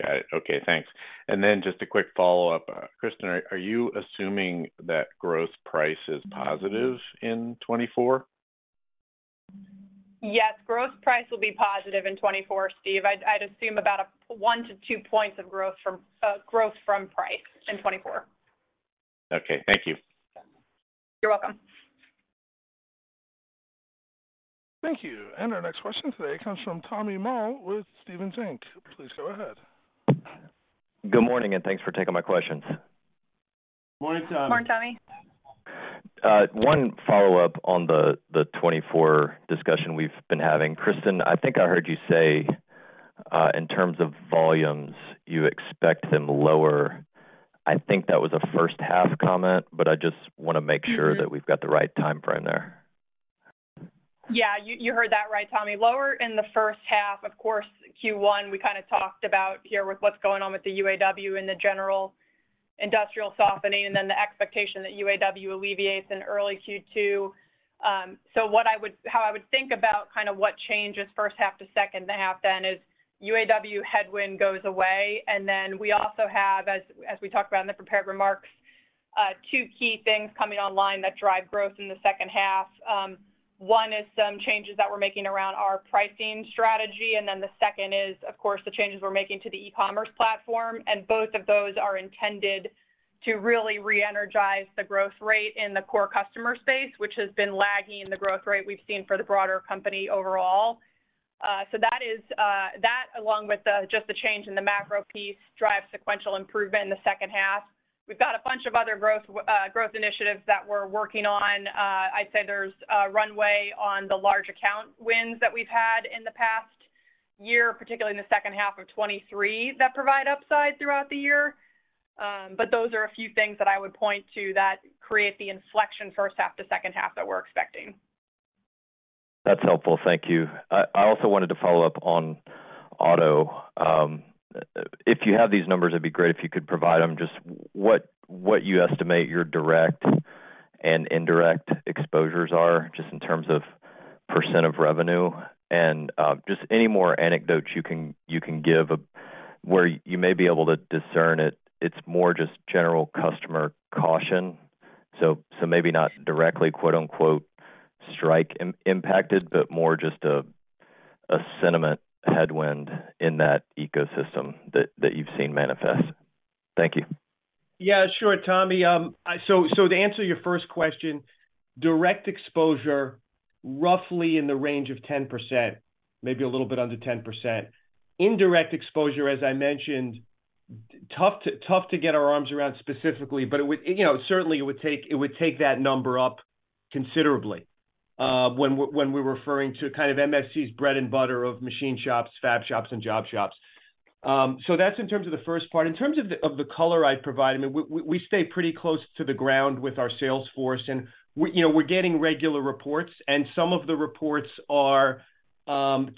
Got it. Okay, thanks. And then just a quick follow-up. Kristen, are you assuming that gross price is positive in 2024? Yes, gross price will be positive in 2024, Steve. I'd assume about a 1-2 points of growth from price in 2024. Okay, thank you. You're welcome. Thank you. Our next question today comes from Tommy Moll with Stephens Inc. Please go ahead. Good morning, and thanks for taking my questions. Morning, Tommy. One follow-up on the, the 2024 discussion we've been having. Kristen, I think I heard you say, in terms of volumes, you expect them lower. I think that was a first half comment, but I just want to make sure?that we've got the right time frame there. Yeah, you, you heard that right, Tommy. Lower in the first half. Of course, Q1, we kinda talked about here with what's going on with the UAW and the general industrial softening, and then the expectation that UAW alleviates in early Q2. So what I would how I would think about kind of what changes first half to second half then is UAW headwind goes away, and then we also have, as, as we talked about in the prepared remarks, two key things coming online that drive growth in the second half. One is some changes that we're making around our pricing strategy, and then the second is, of course, the changes we're making to the e-commerce platform. And both of those are intended to really reenergize the growth rate in the core customer space, which has been lagging the growth rate we've seen for the broader company overall. So that is, that, along with just the change in the macro piece, drive sequential improvement in the second half. We've got a bunch of other growth initiatives that we're working on. I'd say there's a runway on the large account wins that we've had in the past year, particularly in the second half of 2023, that provide upside throughout the year. But those are a few things that I would point to that create the inflection first half to second half that we're expecting. That's helpful. Thank you. I also wanted to follow up on auto. If you have these numbers, it'd be great if you could provide them, just what you estimate your direct and indirect exposures are, just in terms of % of revenue. And just any more anecdotes you can give of where you may be able to discern it, it's more just general customer caution. So maybe not directly, quote-unquote, "strike impacted," but more just a sentiment headwind in that ecosystem that you've seen manifest. Thank you. Yeah, sure, Tommy. So, so to answer your first question, direct exposure, roughly in the range of 10%, maybe a little bit under 10%. Indirect exposure, as I mentioned, tough to, tough to get our arms around specifically, but it would, you know, certainly it would take, it would take that number up considerably, when we're, when we're referring to kind of MSC's bread and butter of machine shops, fab shops, and job shops. So that's in terms of the first part. In terms of the color I'd provide, I mean, we stay pretty close to the ground with our sales force, and you know, we're getting regular reports, and some of the reports are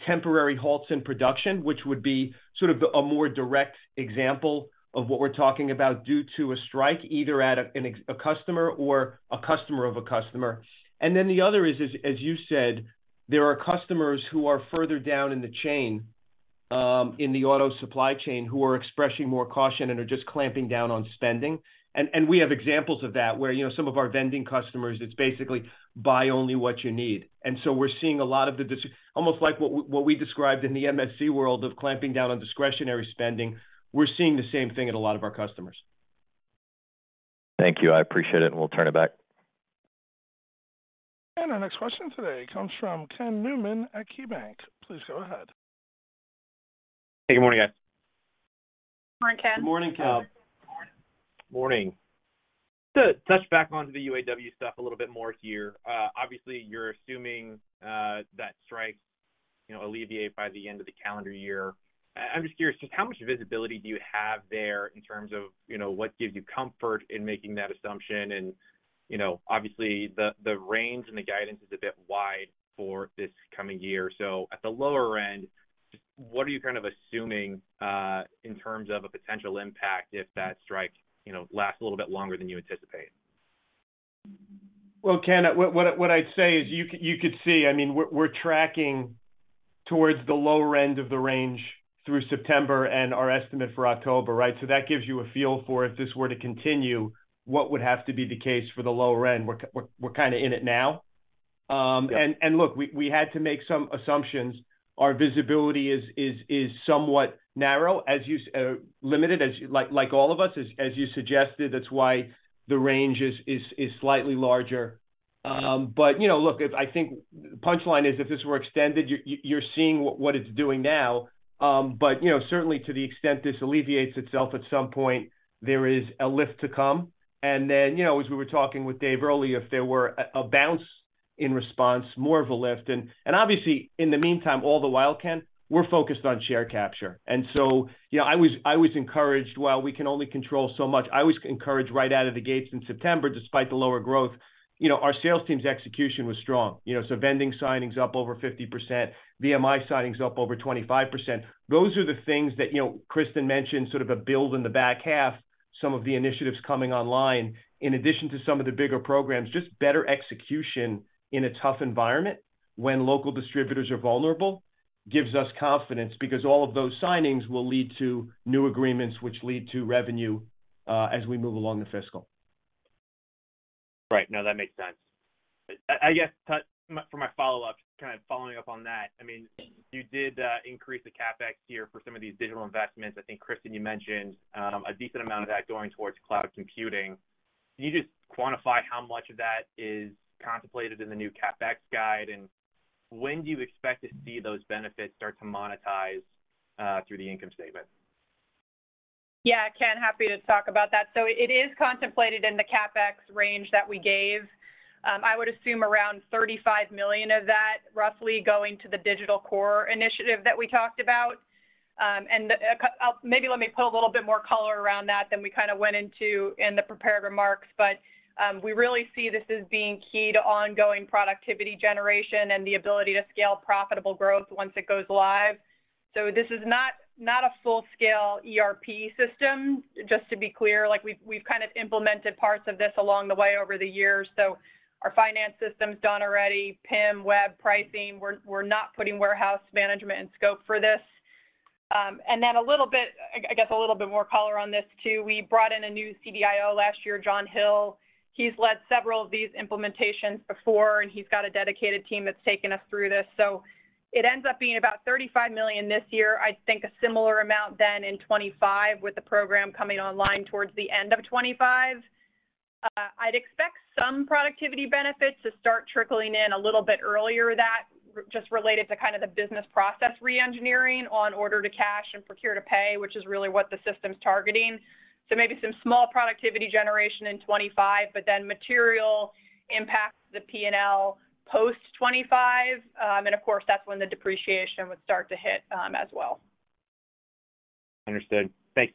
temporary halts in production, which would be sort of a more direct example of what we're talking about due to a strike, either at a customer or a customer of a customer. And then the other is, as you said, there are customers who are further down in the chain in the auto supply chain, who are expressing more caution and are just clamping down on spending. And we have examples of that, where you know, some of our vending customers, it's basically buy only what you need. We're seeing a lot of this, almost like what we described in the MSC world of clamping down on discretionary spending. We're seeing the same thing in a lot of our customers. Thank you. I appreciate it, and we'll turn it back. Our next question today comes from Ken Newman at KeyBanc. Please go ahead. Hey, good morning, guys. Morning, Ken. Good morning, Ken. Morning. To touch back onto the UAW stuff a little bit more here, obviously, you're assuming that strikes, you know, alleviate by the end of the calendar year. I'm just curious, just how much visibility do you have there in terms of, you know, what gives you comfort in making that assumption? And, you know, obviously, the range and the guidance is a bit wide for this coming year. So at the lower end, what are you kind of assuming in terms of a potential impact if that strike, you know, lasts a little bit longer than you anticipate? Well, Ken, what I'd say is, you could see, I mean, we're tracking towards the lower end of the range through September and our estimate for October, right? So that gives you a feel for if this were to continue, what would have to be the case for the lower end. We're, we're kind of in it now. And look, we had to make some assumptions. Our visibility is somewhat narrow, like all of us, as you suggested, that's why the range is slightly larger. But you know, look, if I think the punchline is, if this were extended, you're seeing what it's doing now. But, you know, certainly to the extent this alleviates itself at some point, there is a lift to come. And then, you know, as we were talking with Dave earlier, if there were a bounce in response, more of a lift. And obviously, in the meantime, all the while, Ken, we're focused on share capture. And so, you know, I was encouraged. While we can only control so much, I was encouraged right out of the gates in September, despite the lower growth. You know, our sales team's execution was strong, you know, so vending signings up over 50%, VMI signings up over 25%. Those are the things that, you know, Kristen mentioned, sort of a build in the back half, some of the initiatives coming online, in addition to some of the bigger programs. Just better execution in a tough environment when local distributors are vulnerable, gives us confidence because all of those signings will lead to new agreements, which lead to revenue, as we move along the fiscal. Right. No, that makes sense. I guess, but for my follow-up, kind of following up on that, I mean, you did increase the CapEx year for some of these digital investments. I think, Kristen, you mentioned a decent amount of that going towards cloud computing. Can you just quantify how much of that is contemplated in the new CapEx guide, and when do you expect to see those benefits start to monetize through the income statement? Yeah, Ken, happy to talk about that. So it is contemplated in the CapEx range that we gave. I would assume around $35 million of that, roughly going to the digital core initiative that we talked about. And maybe let me put a little bit more color around that than we kind of went into in the prepared remarks. But we really see this as being key to ongoing productivity generation and the ability to scale profitable growth once it goes live. So this is not, not a full-scale ERP system, just to be clear. Like, we've, we've kind of implemented parts of this along the way over the years, so our finance system's done already, PIM, web pricing. We're, we're not putting warehouse management in scope for this. And then a little bit. I guess a little bit more color on this too. We brought in a new CDIO last year, John Hill. He's led several of these implementations before, and he's got a dedicated team that's taken us through this. So it ends up being about $35 million this year. I think a similar amount then in 2025, with the program coming online towards the end of 2025. I'd expect some productivity benefits to start trickling in a little bit earlier that, just related to kind of the business process reengineering on order to cash and procure to pay, which is really what the system's targeting. So maybe some small productivity generation in 2025, but then material impacts the P&L post 2025. And of course, that's when the depreciation would start to hit, as well. Understood. Thanks.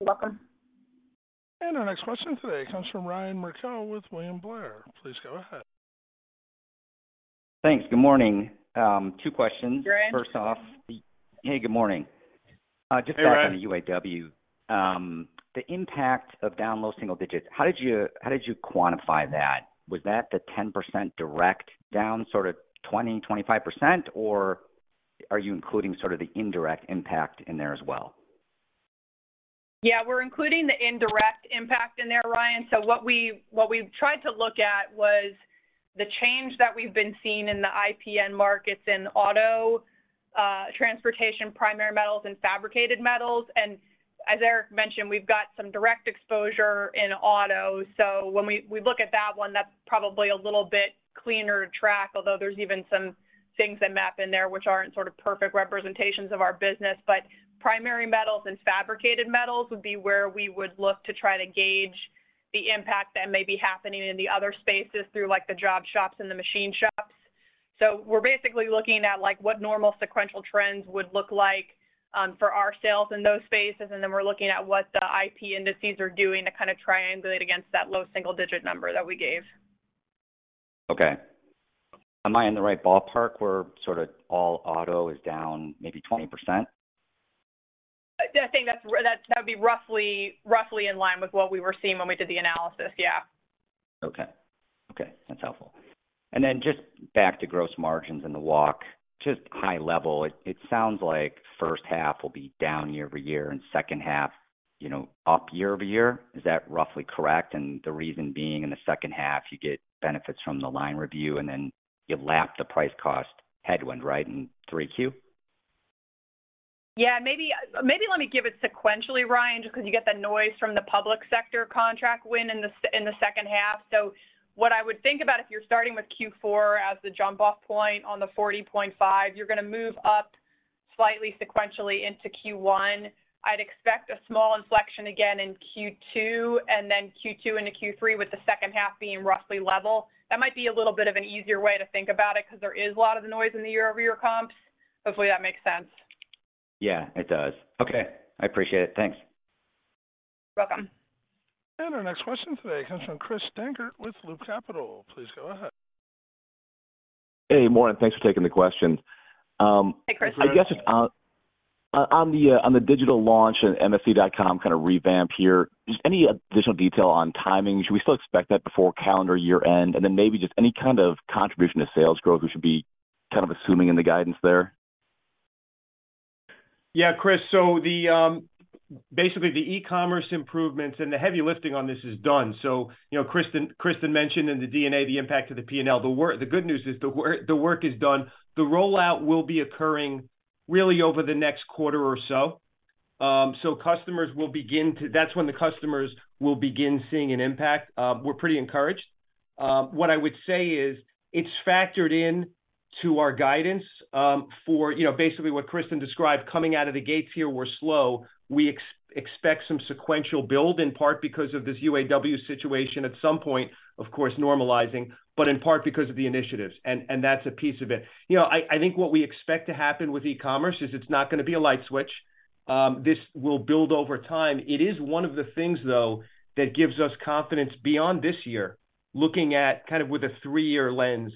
You're welcome. Our next question today comes from Ryan Merkel with William Blair. Please go ahead. Thanks. Good morning. Two questions. Ryan? First off... Hey, good morning. Hey, Ryan. Just back on the UAW, the impact of down low single digits, how did you, how did you quantify that? Was that the 10% direct down, sort of 20%-25%, or are you including sort of the indirect impact in there as well? Yeah, we're including the indirect impact in there, Ryan. So what we, what we've tried to look at was the change that we've been seeing in the IP Index markets in auto, transportation, primary metals, and fabricated metals. And as Eric mentioned, we've got some direct exposure in auto. So when we, we look at that one, that's probably a little bit cleaner to track, although there's even some things that map in there which aren't sort of perfect representations of our business. But primary metals and fabricated metals would be where we would look to try to gauge the impact that may be happening in the other spaces through, like, the job shops and the machine shops. We're basically looking at, like, what normal sequential trends would look like, for our sales in those spaces, and then we're looking at what the IP indices are doing to kind of triangulate against that low single-digit number that we gave. Okay. Am I in the right ballpark, where sort of all auto is down maybe 20%? I think that would be roughly in line with what we were seeing when we did the analysis. Yeah. Okay. Okay, that's helpful. And then just back to gross margins and the walk, just high level, it sounds like first half will be down year over year and second half, you know, up year over year. Is that roughly correct? And the reason being, in the second half, you get benefits from the line review, and then you lap the price cost headwind, right, in three Q? Yeah, maybe, maybe let me give it sequentially, Ryan, just because you get the noise from the public sector contract win in the second half. So what I would think about if you're starting with Q4 as the jump-off point on the 40.5, you're going to move up slightly sequentially into Q1. I'd expect a small inflection again in Q2, and then Q2 into Q3, with the second half being roughly level. That might be a little bit of an easier way to think about it, because there is a lot of noise in the year-over-year comps. Hopefully, that makes sense. Yeah, it does. Okay, I appreciate it. Thanks. You're welcome. Our next question today comes from Chris Dankert with Loop Capital. Please go ahead. Hey, morning. Thanks for taking the question. Hey, Chris. I guess, on the digital launch and msc.com kind of revamp here, just any additional detail on timing? Should we still expect that before calendar year end? And then maybe just any kind of contribution to sales growth we should be kind of assuming in the guidance there? Yeah, Chris. So basically, the e-commerce improvements and the heavy lifting on this is done. So, you know, Kristen mentioned in the D&A the impact of the P&L. The good news is the work is done. The rollout will be occurring really over the next quarter or so. So customers will begin to. That's when the customers will begin seeing an impact. We're pretty encouraged. What I would say is, it's factored into our guidance, for, you know, basically what Kristen described, coming out of the gates here, we're slow. We expect some sequential build, in part because of this UAW situation at some point, of course, normalizing, but in part because of the initiatives, and that's a piece of it. You know, I think what we expect to happen with e-commerce is it's not gonna be a light switch. This will build over time. It is one of the things, though, that gives us confidence beyond this year. Looking at kind of with a three-year lens,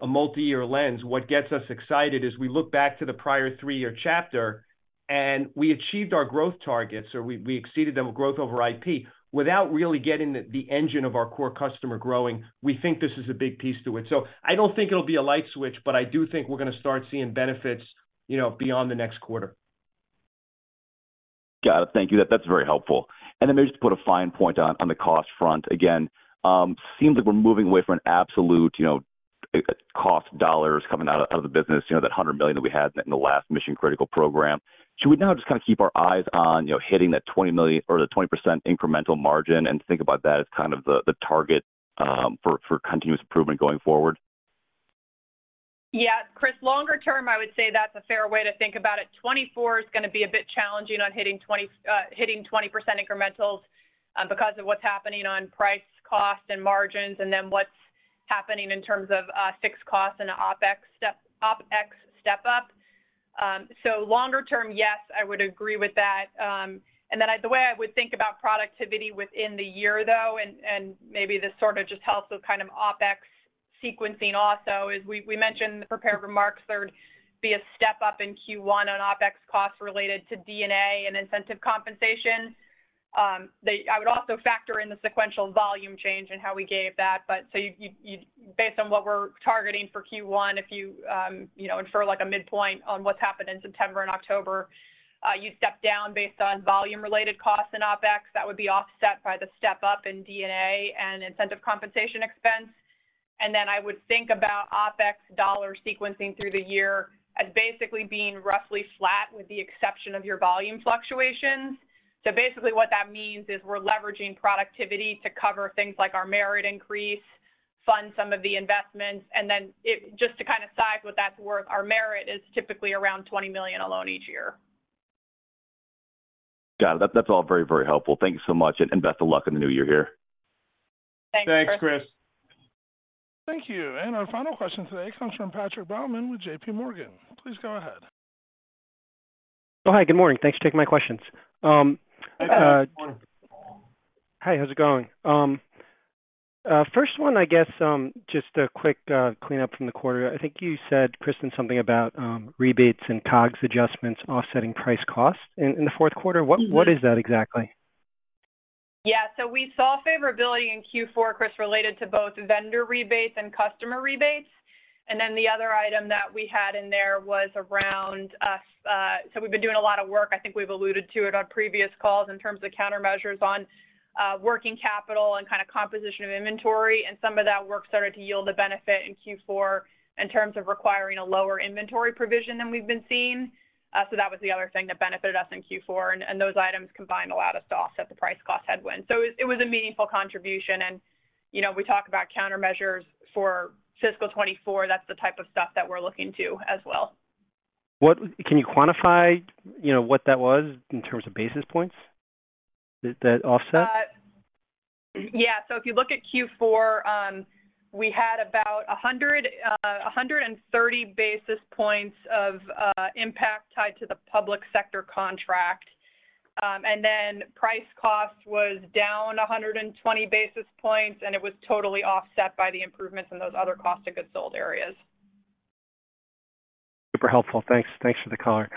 a multi-year lens, what gets us excited is we look back to the prior three-year chapter, and we achieved our growth targets, or we exceeded them with growth over IP, without really getting the engine of our core customer growing. We think this is a big piece to it. So I don't think it'll be a light switch, but I do think we're gonna start seeing benefits, you know, beyond the next quarter. Got it. Thank you. That, that's very helpful. And then maybe just to put a fine point on, on the cost front, again, seems like we're moving away from an absolute, you know, cost dollars coming out of, out of the business, you know, that $100 million that we had in the last Mission Critical program. Should we now just kind of keep our eyes on, you know, hitting that $20 million or the 20% incremental margin and think about that as kind of the, the target, for, for continuous improvement going forward? Yeah, Chris, longer term, I would say that's a fair way to think about it. 2024 is gonna be a bit challenging on hitting 20, hitting 20% incrementals, because of what's happening on price, cost, and margins, and then what's happening in terms of fixed costs and OpEx step up. So longer term, yes, I would agree with that. And then the way I would think about productivity within the year, though, and maybe this sort of just helps with kind of OpEx sequencing also, is we mentioned in the prepared remarks, there'd be a step-up in Q1 on OpEx costs related to DNA and incentive compensation. They... I would also factor in the sequential volume change and how we gave that, but so you based on what we're targeting for Q1, if you you know infer like a midpoint on what's happened in September and October, you step down based on volume-related costs in OpEx, that would be offset by the step-up in D&A and incentive compensation expense. And then I would think about OpEx dollar sequencing through the year as basically being roughly flat, with the exception of your volume fluctuations. So basically what that means is we're leveraging productivity to cover things like our merit increase, fund some of the investments, and then it just to kind of size what that's worth, our merit is typically around $20 million alone each year. Got it. That's all very, very helpful. Thank you so much, and best of luck in the new year here. Thanks, Chris. Thanks, Chris. Thank you. Our final question today comes from Patrick Baumann with J.P. Morgan. Please go ahead. Oh, hi, good morning. Thanks for taking my questions. Good morning. Hi, how's it going? First one, I guess, just a quick cleanup from the quarter. I think you said, Kristen, something about rebates and COGS adjustments offsetting price costs in the fourth quarter. What is that exactly? Yeah, so we saw favorability in Q4, Chris, related to both vendor rebates and customer rebates. And then the other item that we had in there was around us. So we've been doing a lot of work, I think we've alluded to it on previous calls, in terms of countermeasures on working capital and kind of composition of inventory, and some of that work started to yield a benefit in Q4 in terms of requiring a lower inventory provision than we've been seeing. So that was the other thing that benefited us in Q4, and those items combined allowed us to offset the price cost headwind. So it was a meaningful contribution, and, you know, we talk about countermeasures for fiscal 2024, that's the type of stuff that we're looking to as well. Can you quantify, you know, what that was in terms of basis points, that, that offset? Yeah. So if you look at Q4, we had about 130 basis points of impact tied to the public sector contract. And then price cost was down 120 basis points, and it was totally offset by the improvements in those other cost of goods sold areas. Super helpful. Thanks. Thanks for the color.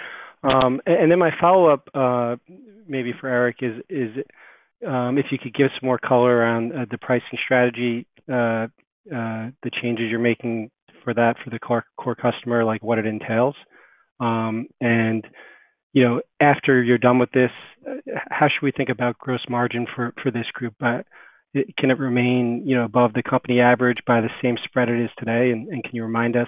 And then my follow-up, maybe for Erik, is if you could give us more color around the pricing strategy, the changes you're making for that, for the core customer, like, what it entails. And, you know, after you're done with this, how should we think about gross margin for this group? Can it remain, you know, above the company average by the same spread it is today? And can you remind us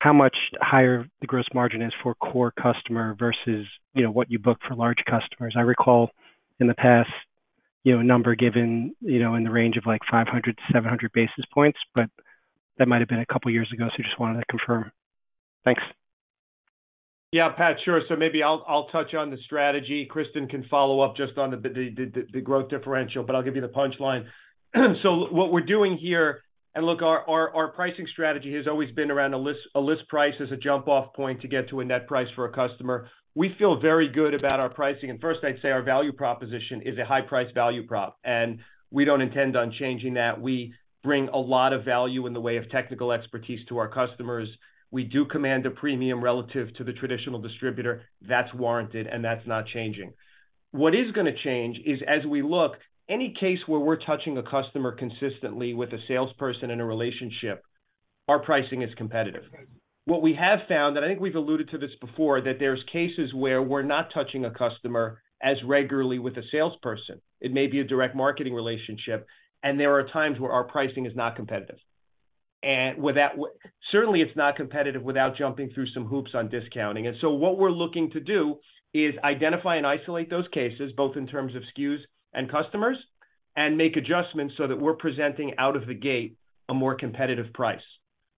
how much higher the gross margin is for core customer versus, you know, what you book for large customers? I recall in the past, you know, a number given, you know, in the range of, like, 500-700 basis points, but that might have been a couple of years ago, so just wanted to confirm. Thanks. Yeah, Pat. Sure. So maybe I'll touch on the strategy. Kristen can follow up just on the growth differential, but I'll give you the punchline. So what we're doing here. And look, our pricing strategy has always been around a list price as a jump-off point to get to a net price for a customer. We feel very good about our pricing, and first, I'd say our value proposition is a high-price value prop, and we don't intend on changing that. We bring a lot of value in the way of technical expertise to our customers. We do command a premium relative to the traditional distributor. That's warranted, and that's not changing. What is gonna change is, as we look, any case where we're touching a customer consistently with a salesperson in a relationship, our pricing is competitive. What we have found, and I think we've alluded to this before, that there's cases where we're not touching a customer as regularly with a salesperson. It may be a direct marketing relationship, and there are times where our pricing is not competitive. And without. Certainly, it's not competitive without jumping through some hoops on discounting. And so what we're looking to do is identify and isolate those cases, both in terms of SKUs and customers... and make adjustments so that we're presenting out of the gate a more competitive price.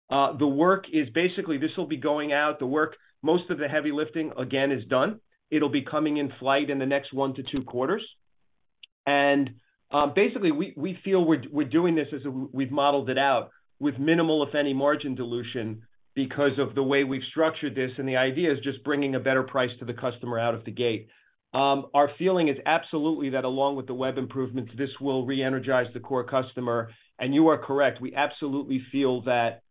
The work is basically, this will be going out, the work, most of the heavy lifting again, is done. It'll be coming in flight in the next one to two quarters. Basically, we feel we're doing this as we've modeled it out with minimal, if any, margin dilution because of the way we've structured this, and the idea is just bringing a better price to the customer out of the gate. Our feeling is absolutely that along with the web improvements, this will re-energize the core customer. You are correct, we absolutely feel that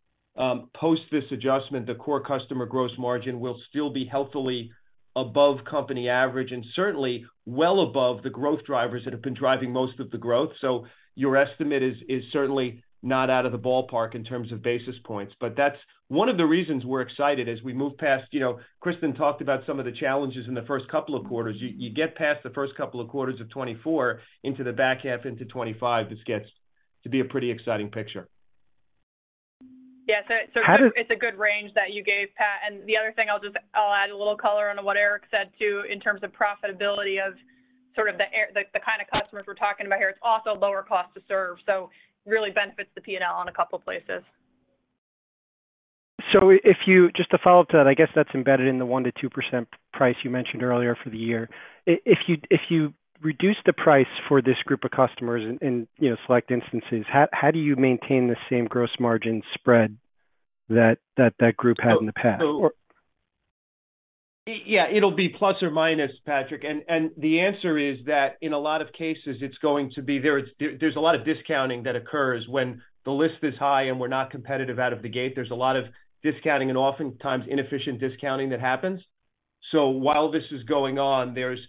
post this adjustment, the core customer gross margin will still be healthily above company average, and certainly well above the growth drivers that have been driving most of the growth. So your estimate is certainly not out of the ballpark in terms of basis points. But that's one of the reasons we're excited as we move past. You know, Kristen talked about some of the challenges in the first couple of quarters. You, you get past the first couple of quarters of 2024 into the back half into 2025, this gets to be a pretty exciting picture. Yes, so- How does- It's a good range that you gave, Pat. The other thing, I'll just add a little color on what Erik said, too, in terms of profitability of sort of the, the kind of customers we're talking about here. It's also lower cost to serve, so really benefits the P&L in a couple places. So just to follow up to that, I guess that's embedded in the 1%-2% price you mentioned earlier for the year. If you reduce the price for this group of customers in you know, select instances, how do you maintain the same gross margin spread that group had in the past? Yeah, it'll be plus or minus, Patrick, and, and the answer is that in a lot of cases, it's going to be there. There's a lot of discounting that occurs when the list is high and we're not competitive out of the gate. There's a lot of discounting and oftentimes inefficient discounting that happens. So while this is going on, there's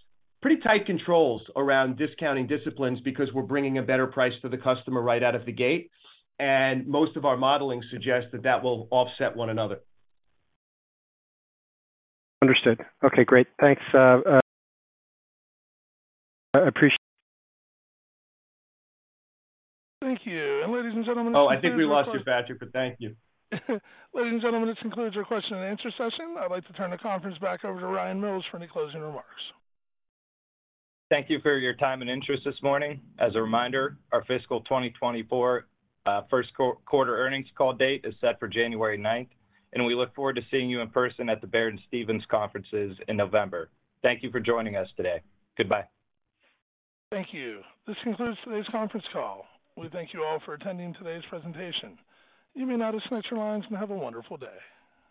pretty tight controls around discounting disciplines because we're bringing a better price to the customer right out of the gate, and most of our modeling suggests that that will offset one another. Understood. Okay, great. Thanks. Appreciate- Thank you. Ladies and gentlemen, Oh, I think we lost you, Patrick, but thank you. Ladies and gentlemen, this concludes our question and answer session. I'd like to turn the conference back over to Ryan Mills for any closing remarks. Thank you for your time and interest this morning. As a reminder, our fiscal 2024 first quarter earnings call date is set for January 9, and we look forward to seeing you in person at the Baird and Stephens conferences in November. Thank you for joining us today. Goodbye. Thank you. This concludes today's conference call. We thank you all for attending today's presentation. You may now disconnect your lines and have a wonderful day.